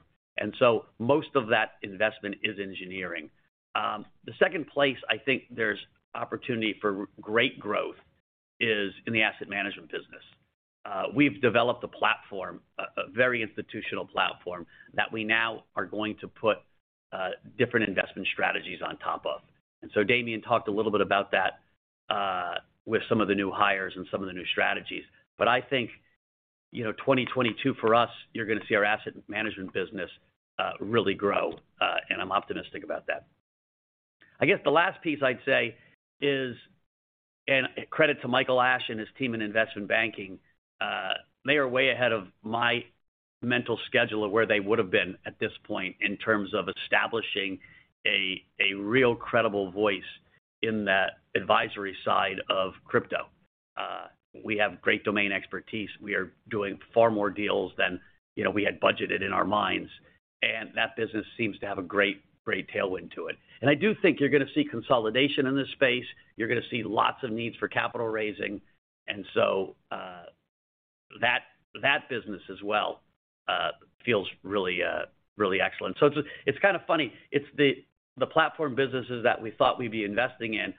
Most of that investment is engineering. The second place I think there's opportunity for great growth is in the asset management business. We've developed a platform, a very institutional platform, that we now are going to put different investment strategies on top of. Damien talked a little bit about that, with some of the new hires and some of the new strategies. I think, you know, 2022 for us, you're gonna see our asset management business really grow, and I'm optimistic about that. I guess the last piece I'd say is, and credit to Michael Ashe and his team in investment banking, they are way ahead of my mental schedule of where they would've been at this point in terms of establishing a real credible voice in that advisory side of crypto. We have great domain expertise. We are doing far more deals than, you know, we had budgeted in our minds, and that business seems to have a great tailwind to it. I do think you're gonna see consolidation in this space. You're gonna see lots of needs for capital raising. That business as well feels really excellent. It's kind of funny. It's the platform businesses that we thought we'd be investing in,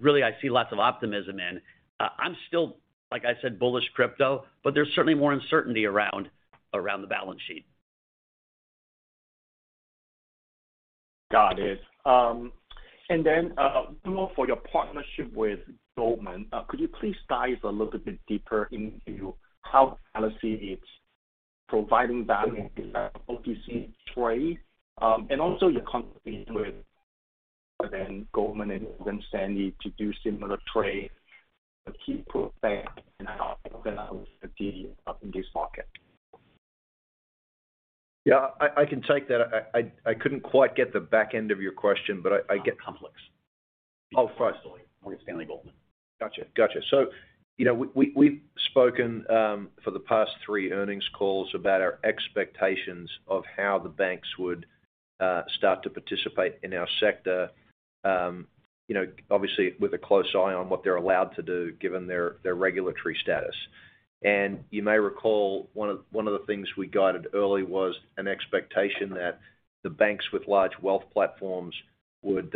really, I see lots of optimism in. I'm still, like I said, bullish crypto, but there's certainly more uncertainty around the balance sheet. Got it. More on your partnership with Goldman. Could you please dive a little bit deeper into how Galaxy is providing value in the OTC trade? Also your competition within Goldman and Morgan Stanley to do similar trade with key profile, and how that plays in this market. Yeah, I can take that. I couldn't quite get the back end of your question, but I get- How complex. Oh, got it. Morgan Stanley, Goldman. Gotcha. You know, we've spoken for the past three earnings calls about our expectations of how the banks would start to participate in our sector, you know, obviously with a close eye on what they're allowed to do given their regulatory status. You may recall one of the things we guided early was an expectation that the banks with large wealth platforms would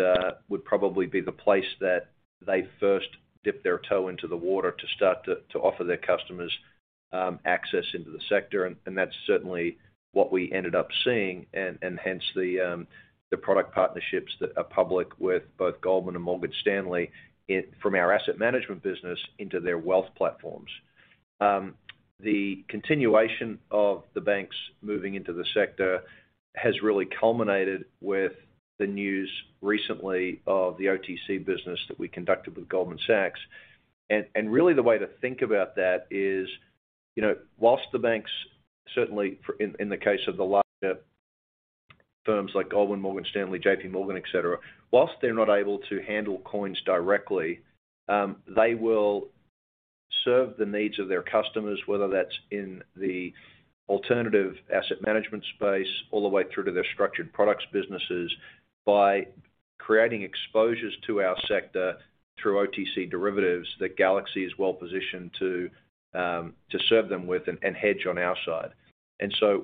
probably be the place that they first dip their toe into the water to offer their customers access into the sector, and that's certainly what we ended up seeing and hence the product partnerships that are public with both Goldman and Morgan Stanley from our asset management business into their wealth platforms. The continuation of the banks moving into the sector has really culminated with the news recently of the OTC business that we conducted with Goldman Sachs. Really the way to think about that is, you know, while the banks, certainly in the case of the larger firms like Goldman, Morgan Stanley, JPMorgan, et cetera, while they're not able to handle coins directly, they will serve the needs of their customers, whether that's in the alternative asset management space all the way through to their structured products businesses by creating exposures to our sector through OTC derivatives that Galaxy is well positioned to serve them with and hedge on our side.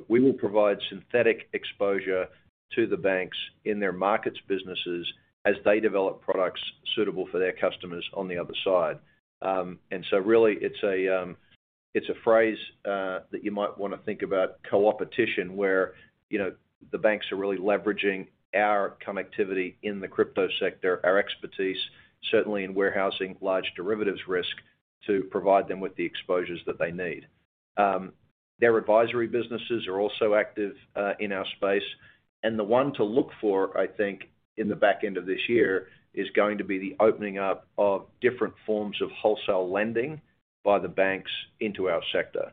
We will provide synthetic exposure to the banks in their markets businesses as they develop products suitable for their customers on the other side. Really it's a phrase that you might wanna think about coopetition, where, you know, the banks are really leveraging our connectivity in the crypto sector, our expertise, certainly in warehousing large derivatives risk to provide them with the exposures that they need. Their advisory businesses are also active in our space. The one to look for, I think, in the back end of this year, is going to be the opening up of different forms of wholesale lending by the banks into our sector,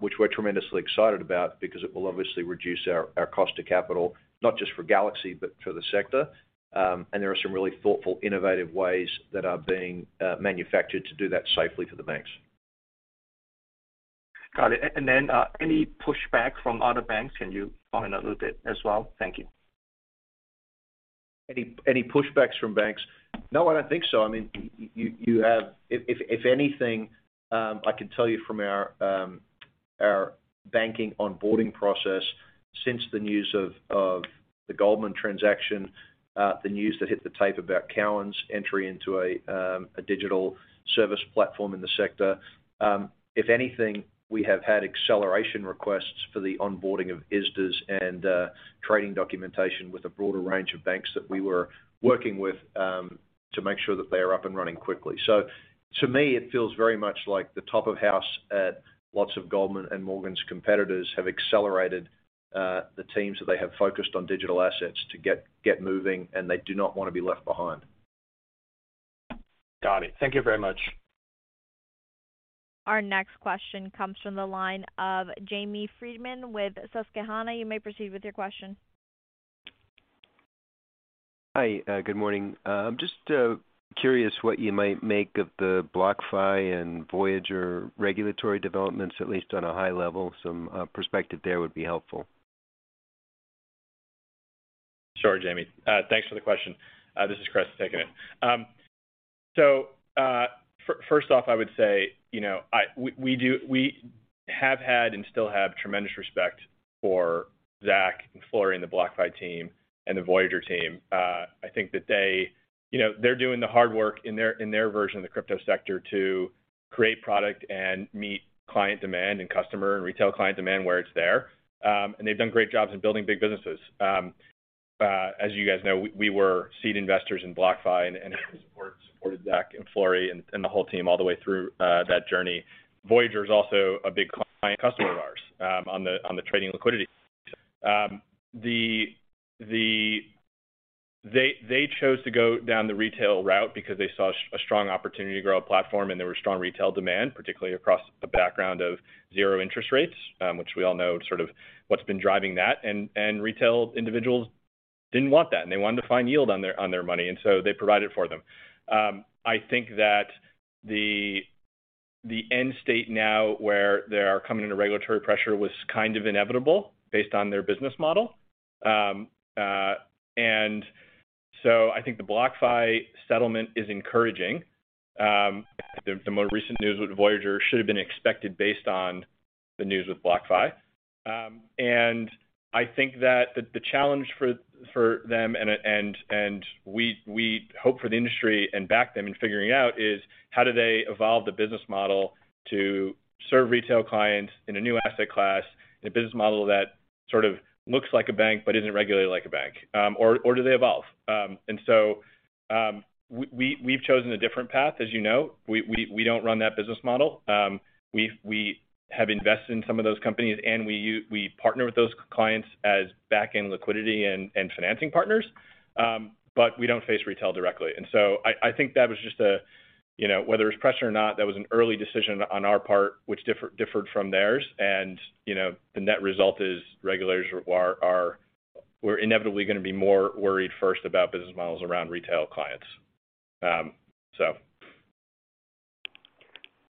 which we're tremendously excited about because it will obviously reduce our cost of capital, not just for Galaxy, but for the sector. There are some really thoughtful, innovative ways that are being manufactured to do that safely for the banks. Got it. Any pushback from other banks? Can you comment on a little bit as well? Thank you. Any pushbacks from banks? No, I don't think so. I mean, if anything, I can tell you from our banking onboarding process since the news of the Goldman transaction, the news that hit the tape about Cowen's entry into a digital service platform in the sector, if anything, we have had acceleration requests for the onboarding of ISDAs and trading documentation with a broader range of banks that we were working with to make sure that they are up and running quickly. To me, it feels very much like the top of house at lots of Goldman and Morgan's competitors have accelerated the teams that they have focused on digital assets to get moving, and they do not wanna be left behind. Got it. Thank you very much. Our next question comes from the line of Jamie Friedman with Susquehanna. You may proceed with your question. Hi. Good morning. Just curious what you might make of the BlockFi and Voyager regulatory developments, at least on a high level. Some perspective there would be helpful. Sure, Jamie. Thanks for the question. This is Chris taking it. First off, I would say, you know, we have had and still have tremendous respect for Zac and Flori and the BlockFi team and the Voyager team. I think that they. You know, they're doing the hard work in their version of the crypto sector to create product and meet client demand and customer and retail client demand where it's there. They've done great jobs in building big businesses. As you guys know, we were seed investors in BlockFi and supported Zac and Flori and the whole team all the way through that journey. Voyager is also a big client customer of ours on the trading liquidity. The... They chose to go down the retail route because they saw a strong opportunity to grow a platform, and there were strong retail demand, particularly across a background of zero interest rates, which we all know sort of what's been driving that. Retail individuals didn't want that, and they wanted to find yield on their money, and so they provided for them. I think that the end state now where they are coming into regulatory pressure was kind of inevitable based on their business model. I think the BlockFi settlement is encouraging. The more recent news with Voyager should have been expected based on the news with BlockFi. I think that the challenge for them and we hope for the industry and back them in figuring out is how do they evolve the business model to serve retail clients in a new asset class in a business model that sort of looks like a bank but isn't regulated like a bank? Or do they evolve? We've chosen a different path, as you know. We don't run that business model. We have invested in some of those companies, and we partner with those clients as back-end liquidity and financing partners, but we don't face retail directly. I think that was just, you know, whether it was pressure or not, that was an early decision on our part, which differed from theirs. You know, the net result is regulators are. We're inevitably gonna be more worried first about business models around retail clients.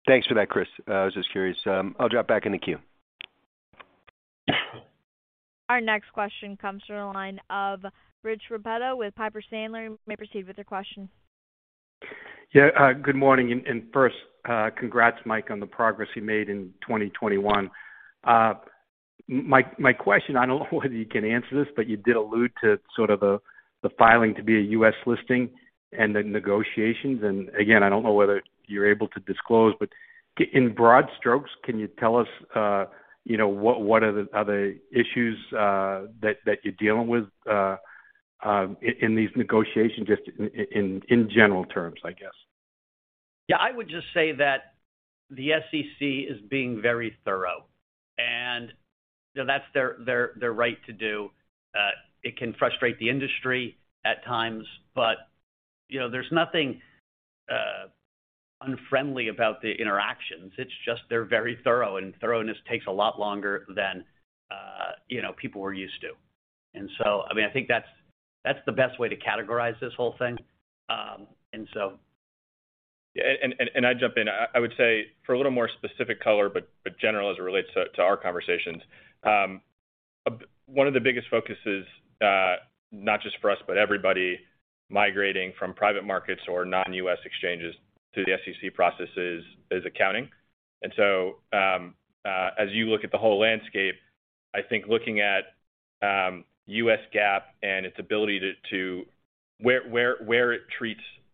Thanks for that, Chris. I was just curious. I'll drop back in the queue. Our next question comes from the line of Rich Repetto with Piper Sandler. You may proceed with your question. Yeah. Good morning. First, congrats, Mike, on the progress you made in 2021. My question, I don't know whether you can answer this, but you did allude to sort of the filing to be a U.S. listing and the negotiations, and again, I don't know whether you're able to disclose, but in broad strokes, can you tell us, you know, what are the other issues that you're dealing with in these negotiations just in general terms, I guess? I would just say that the SEC is being very thorough, and, you know, that's their right to do. It can frustrate the industry at times, but, you know, there's nothing unfriendly about the interactions. It's just they're very thorough, and thoroughness takes a lot longer than, you know, people were used to. I mean, I think that's the best way to categorize this whole thing. I'd jump in. I would say for a little more specific color, but general as it relates to our conversations, one of the biggest focuses not just for us but everybody migrating from private markets or non-US exchanges to the SEC processes is accounting. As you look at the whole landscape, I think looking at U.S. GAAP and its ability to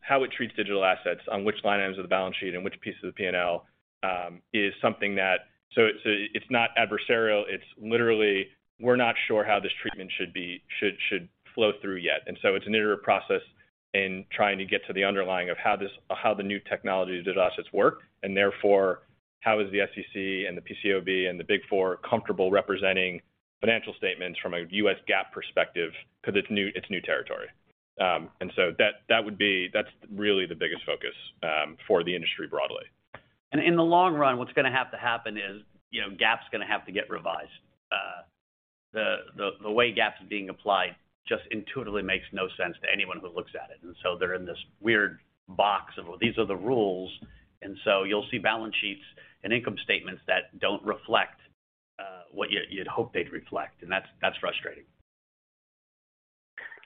how it treats digital assets on which line items of the balance sheet and which piece of the P&L is something that. It's not adversarial, it's literally we're not sure how this treatment should be flow through yet. It's an iterative process in trying to get to the underlying of how the new technology devices work, and therefore, how is the SEC and the PCAOB and the Big Four comfortable representing financial statements from a US GAAP perspective? Because it's new territory. That would be. That's really the biggest focus for the industry broadly. In the long run, what's gonna have to happen is, you know, GAAP's gonna have to get revised. The way GAAP is being applied just intuitively makes no sense to anyone who looks at it. They're in this weird box of, well, these are the rules, and so you'll see balance sheets and income statements that don't reflect what you'd hope they'd reflect, and that's frustrating.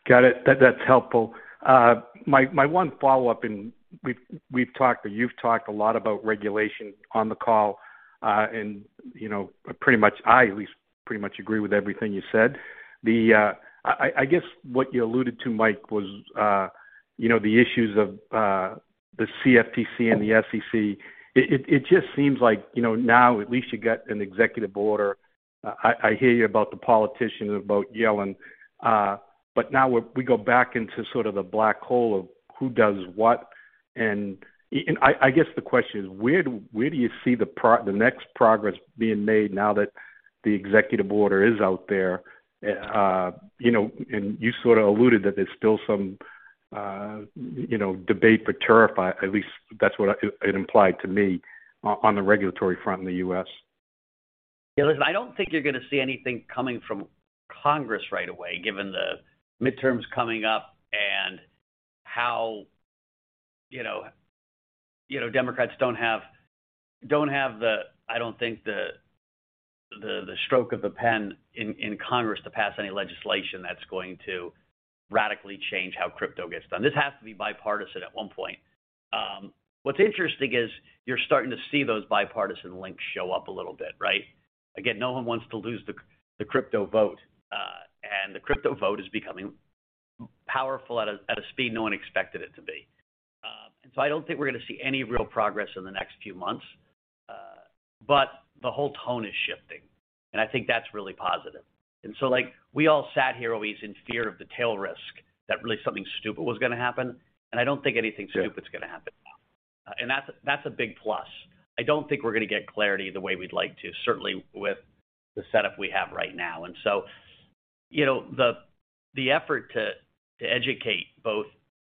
Got it. That's helpful. My one follow-up, and we've talked or you've talked a lot about regulation on the call. You know, pretty much I at least pretty much agree with everything you said. I guess what you alluded to, Mike, was, you know, the issues of the CFTC and the SEC. It just seems like, you know, now at least you got an executive order. I hear you about the politicians, about Yellen, but now we go back into sort of the black hole of who does what. I guess, the question is, where do you see the next progress being made now that the executive order is out there? You know, you sort of alluded that there's still some, you know, debate, but they're iffy. At least that's what it implied to me on the regulatory front in the U.S. Listen, I don't think you're gonna see anything coming from Congress right away, given the midterms coming up and how Democrats don't have the stroke of the pen in Congress to pass any legislation that's going to radically change how crypto gets done. This has to be bipartisan at one point. What's interesting is you're starting to see those bipartisan links show up a little bit, right? Again, no one wants to lose the crypto vote. The crypto vote is becoming powerful at a speed no one expected it to be. I don't think we're gonna see any real progress in the next few months. The whole tone is shifting, and I think that's really positive. Like, we all sat here always in fear of the tail risk that really something stupid was gonna happen, and I don't think anything stupid. Yeah. It's gonna happen. That's a big plus. I don't think we're gonna get clarity the way we'd like to, certainly with the setup we have right now. You know, the effort to educate both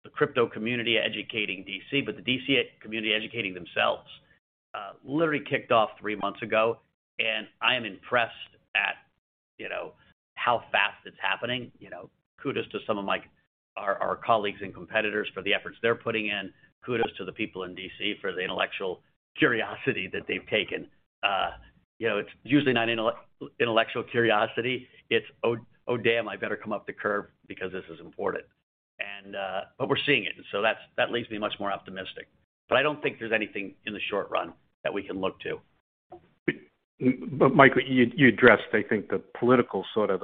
the crypto community educating D.C. but the D.C. community educating themselves literally kicked off three months ago. I am impressed at, you know, how fast it's happening. You know, kudos to some of our colleagues and competitors for the efforts they're putting in. Kudos to the people in D.C. for the intellectual curiosity that they've taken. You know, it's usually not intellectual curiosity. It's, "Oh, damn, I better come up the learning curve because this is important." But we're seeing it, and so that's, that leaves me much more optimistic. I don't think there's anything in the short run that we can look to. Michael, you addressed, I think, the political sort of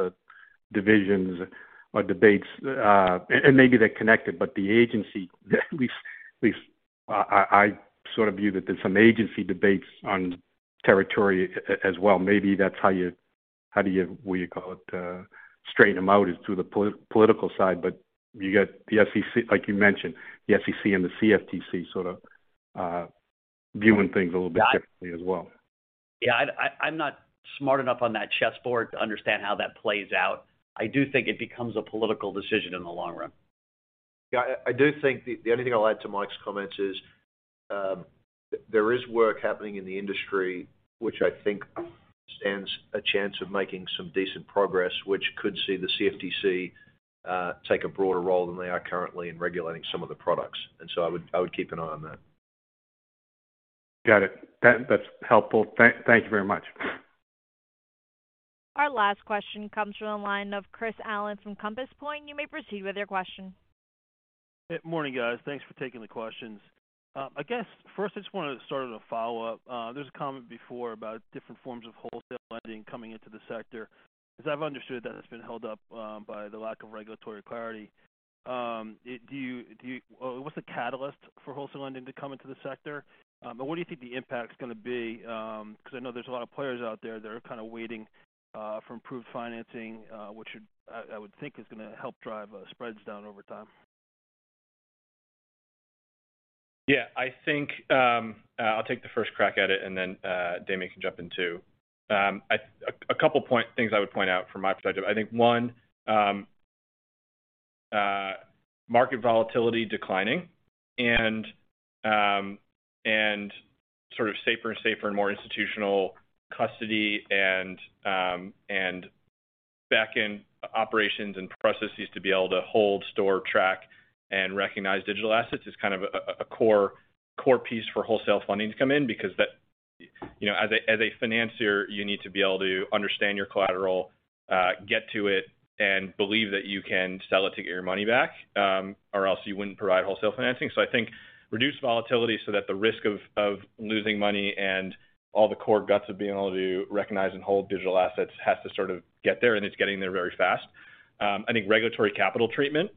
divisions or debates. Maybe they're connected, but the agency, at least I sort of view that there's some agency debates on territory as well. Maybe that's how you straighten them out through the political side. You got the SEC, like you mentioned, the SEC and the CFTC sort of viewing things a little bit differently as well. Yeah. I'm not smart enough on that chess board to understand how that plays out. I do think it becomes a political decision in the long run. Yeah. I do think the only thing I'll add to Mike's comments is there is work happening in the industry, which I think stands a chance of making some decent progress, which could see the CFTC take a broader role than they are currently in regulating some of the products. I would keep an eye on that. Got it. That's helpful. Thank you very much. Our last question comes from the line of Chris Allen from Compass Point. You may proceed with your question. Morning, guys. Thanks for taking the questions. I guess first I just wanna start with a follow-up. There's a comment before about different forms of wholesale lending coming into the sector, 'cause I've understood that it's been held up by the lack of regulatory clarity. What's the catalyst for wholesale lending to come into the sector? But what do you think the impact's gonna be? 'Cause I know there's a lot of players out there that are kinda waiting for improved financing, which I would think is gonna help drive spreads down over time. Yeah. I think I'll take the first crack at it and then Damien can jump in too. A couple points, things I would point out from my perspective. I think one, market volatility declining and sort of safer and more institutional custody and back-end operations and processes to be able to hold, store, track, and recognize digital assets is kind of a core piece for wholesale funding to come in because that you know, as a financier, you need to be able to understand your collateral, get to it, and believe that you can sell it to get your money back or else you wouldn't provide wholesale financing. I think reduced volatility so that the risk of losing money and all the core guts of being able to recognize and hold digital assets has to sort of get there, and it's getting there very fast. I think regulatory capital treatment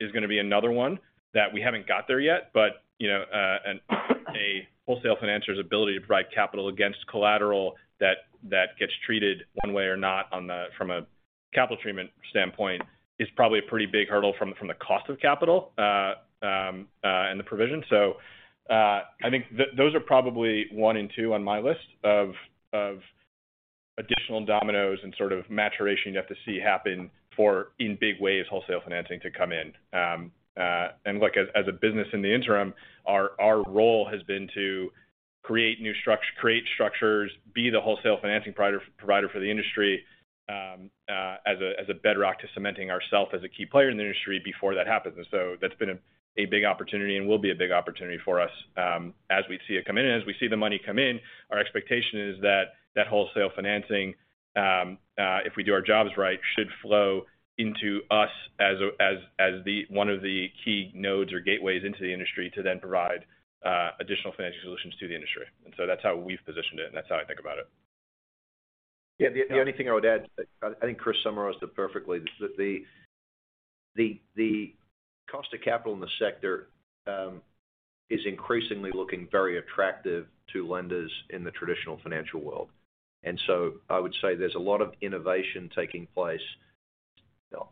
is gonna be another one that we haven't got there yet. But you know, a wholesale financier's ability to provide capital against collateral that gets treated one way or not, from a capital treatment standpoint, is probably a pretty big hurdle from the cost of capital and the provision. I think those are probably one and two on my list of additional dominoes and sort of maturation you have to see happen for in big ways, wholesale financing to come in. Look, as a business in the interim, our role has been to create structures, be the wholesale financing provider for the industry, as a bedrock to cementing ourselves as a key player in the industry before that happens. That's been a big opportunity and will be a big opportunity for us, as we see it come in. As we see the money come in, our expectation is that that wholesale financing, if we do our jobs right, should flow into us as one of the key nodes or gateways into the industry to then provide additional financial solutions to the industry. That's how we've positioned it, and that's how I think about it. Yeah. The only thing I would add, I think Chris summarized it perfectly. The cost of capital in the sector is increasingly looking very attractive to lenders in the traditional financial world. I would say there's a lot of innovation taking place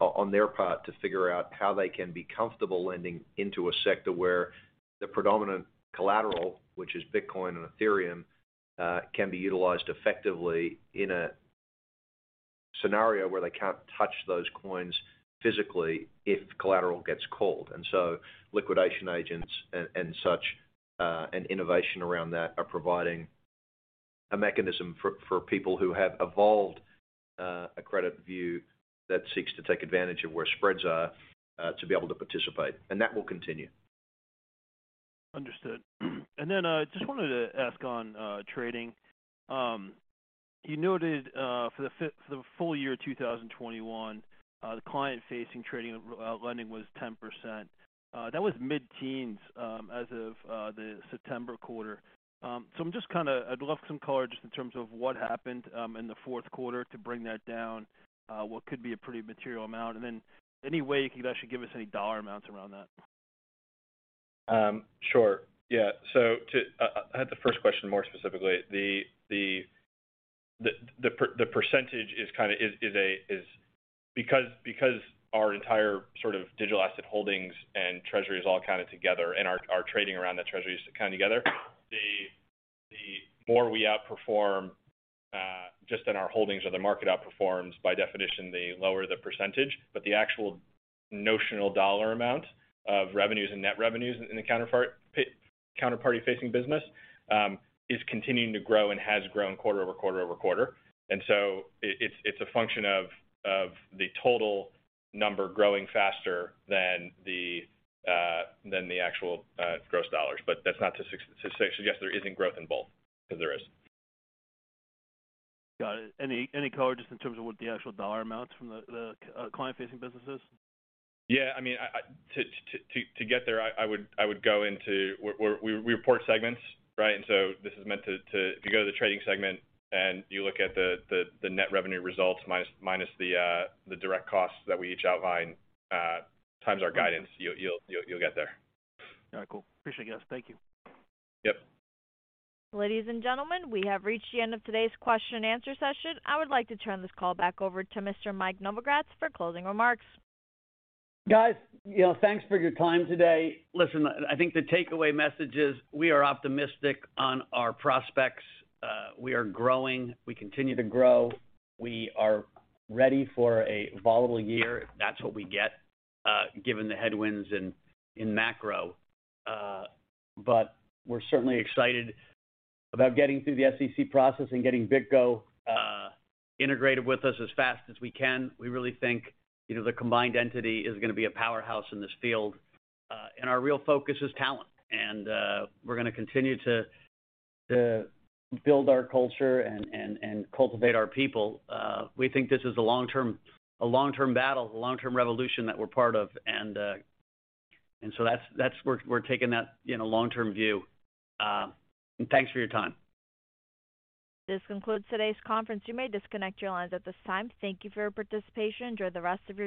on their part to figure out how they can be comfortable lending into a sector where the predominant collateral, which is Bitcoin and Ethereum, can be utilized effectively in a scenario where they can't touch those coins physically if collateral gets called. Liquidation agents and such, and innovation around that are providing a mechanism for people who have evolved a credit view that seeks to take advantage of where spreads are to be able to participate, and that will continue. Understood. Just wanted to ask on trading. You noted, for the full year 2021, the client-facing trading lending was 10%. That was mid-teens, as of the September quarter. I'm just kinda. I'd love some color just in terms of what happened in the fourth quarter to bring that down, what could be a pretty material amount. Any way you could actually give us any dollar amounts around that. Sure. Yeah. So, to answer the first question more specifically. The percentage is kinda... Because our entire sort of digital asset holdings and treasury is all kind of together and our trading around the treasury is kind of together, the more we outperform just in our holdings or the market outperforms, by definition, the lower the percentage. But the actual notional dollar amount of revenues and net revenues in the counterparty-facing business is continuing to grow and has grown quarter-over-quarter. It's a function of the total number growing faster than the actual gross dollars. But that's not to suggest there isn't growth in both, because there is. Got it. Any color just in terms of what the actual dollar amounts from the client-facing business is? Yeah. I mean, to get there, we report segments, right? This is meant to, if you go to the Trading segment and you look at the net revenue results minus the direct costs that we incur, times our guidance. Got it. You'll get there. All right. Cool. Appreciate it, guys. Thank you. Yep. Ladies and gentlemen, we have reached the end of today's question and answer session. I would like to turn this call back over to Mr. Mike Novogratz for closing remarks. Guys, you know, thanks for your time today. Listen, I think the takeaway message is we are optimistic on our prospects. We are growing. We continue to grow. We are ready for a volatile year, if that's what we get, given the headwinds in macro. But we're certainly excited about getting through the SEC process and getting BitGo integrated with us as fast as we can. We really think, you know, the combined entity is gonna be a powerhouse in this field. Our real focus is talent, and we're gonna continue to build our culture and cultivate our people. We think this is a long-term battle, a long-term revolution that we're part of, and so that's it. We're taking that, you know, long-term view. Thanks for your time. This concludes today's conference. You may disconnect your lines at this time. Thank you for your participation. Enjoy the rest of your day.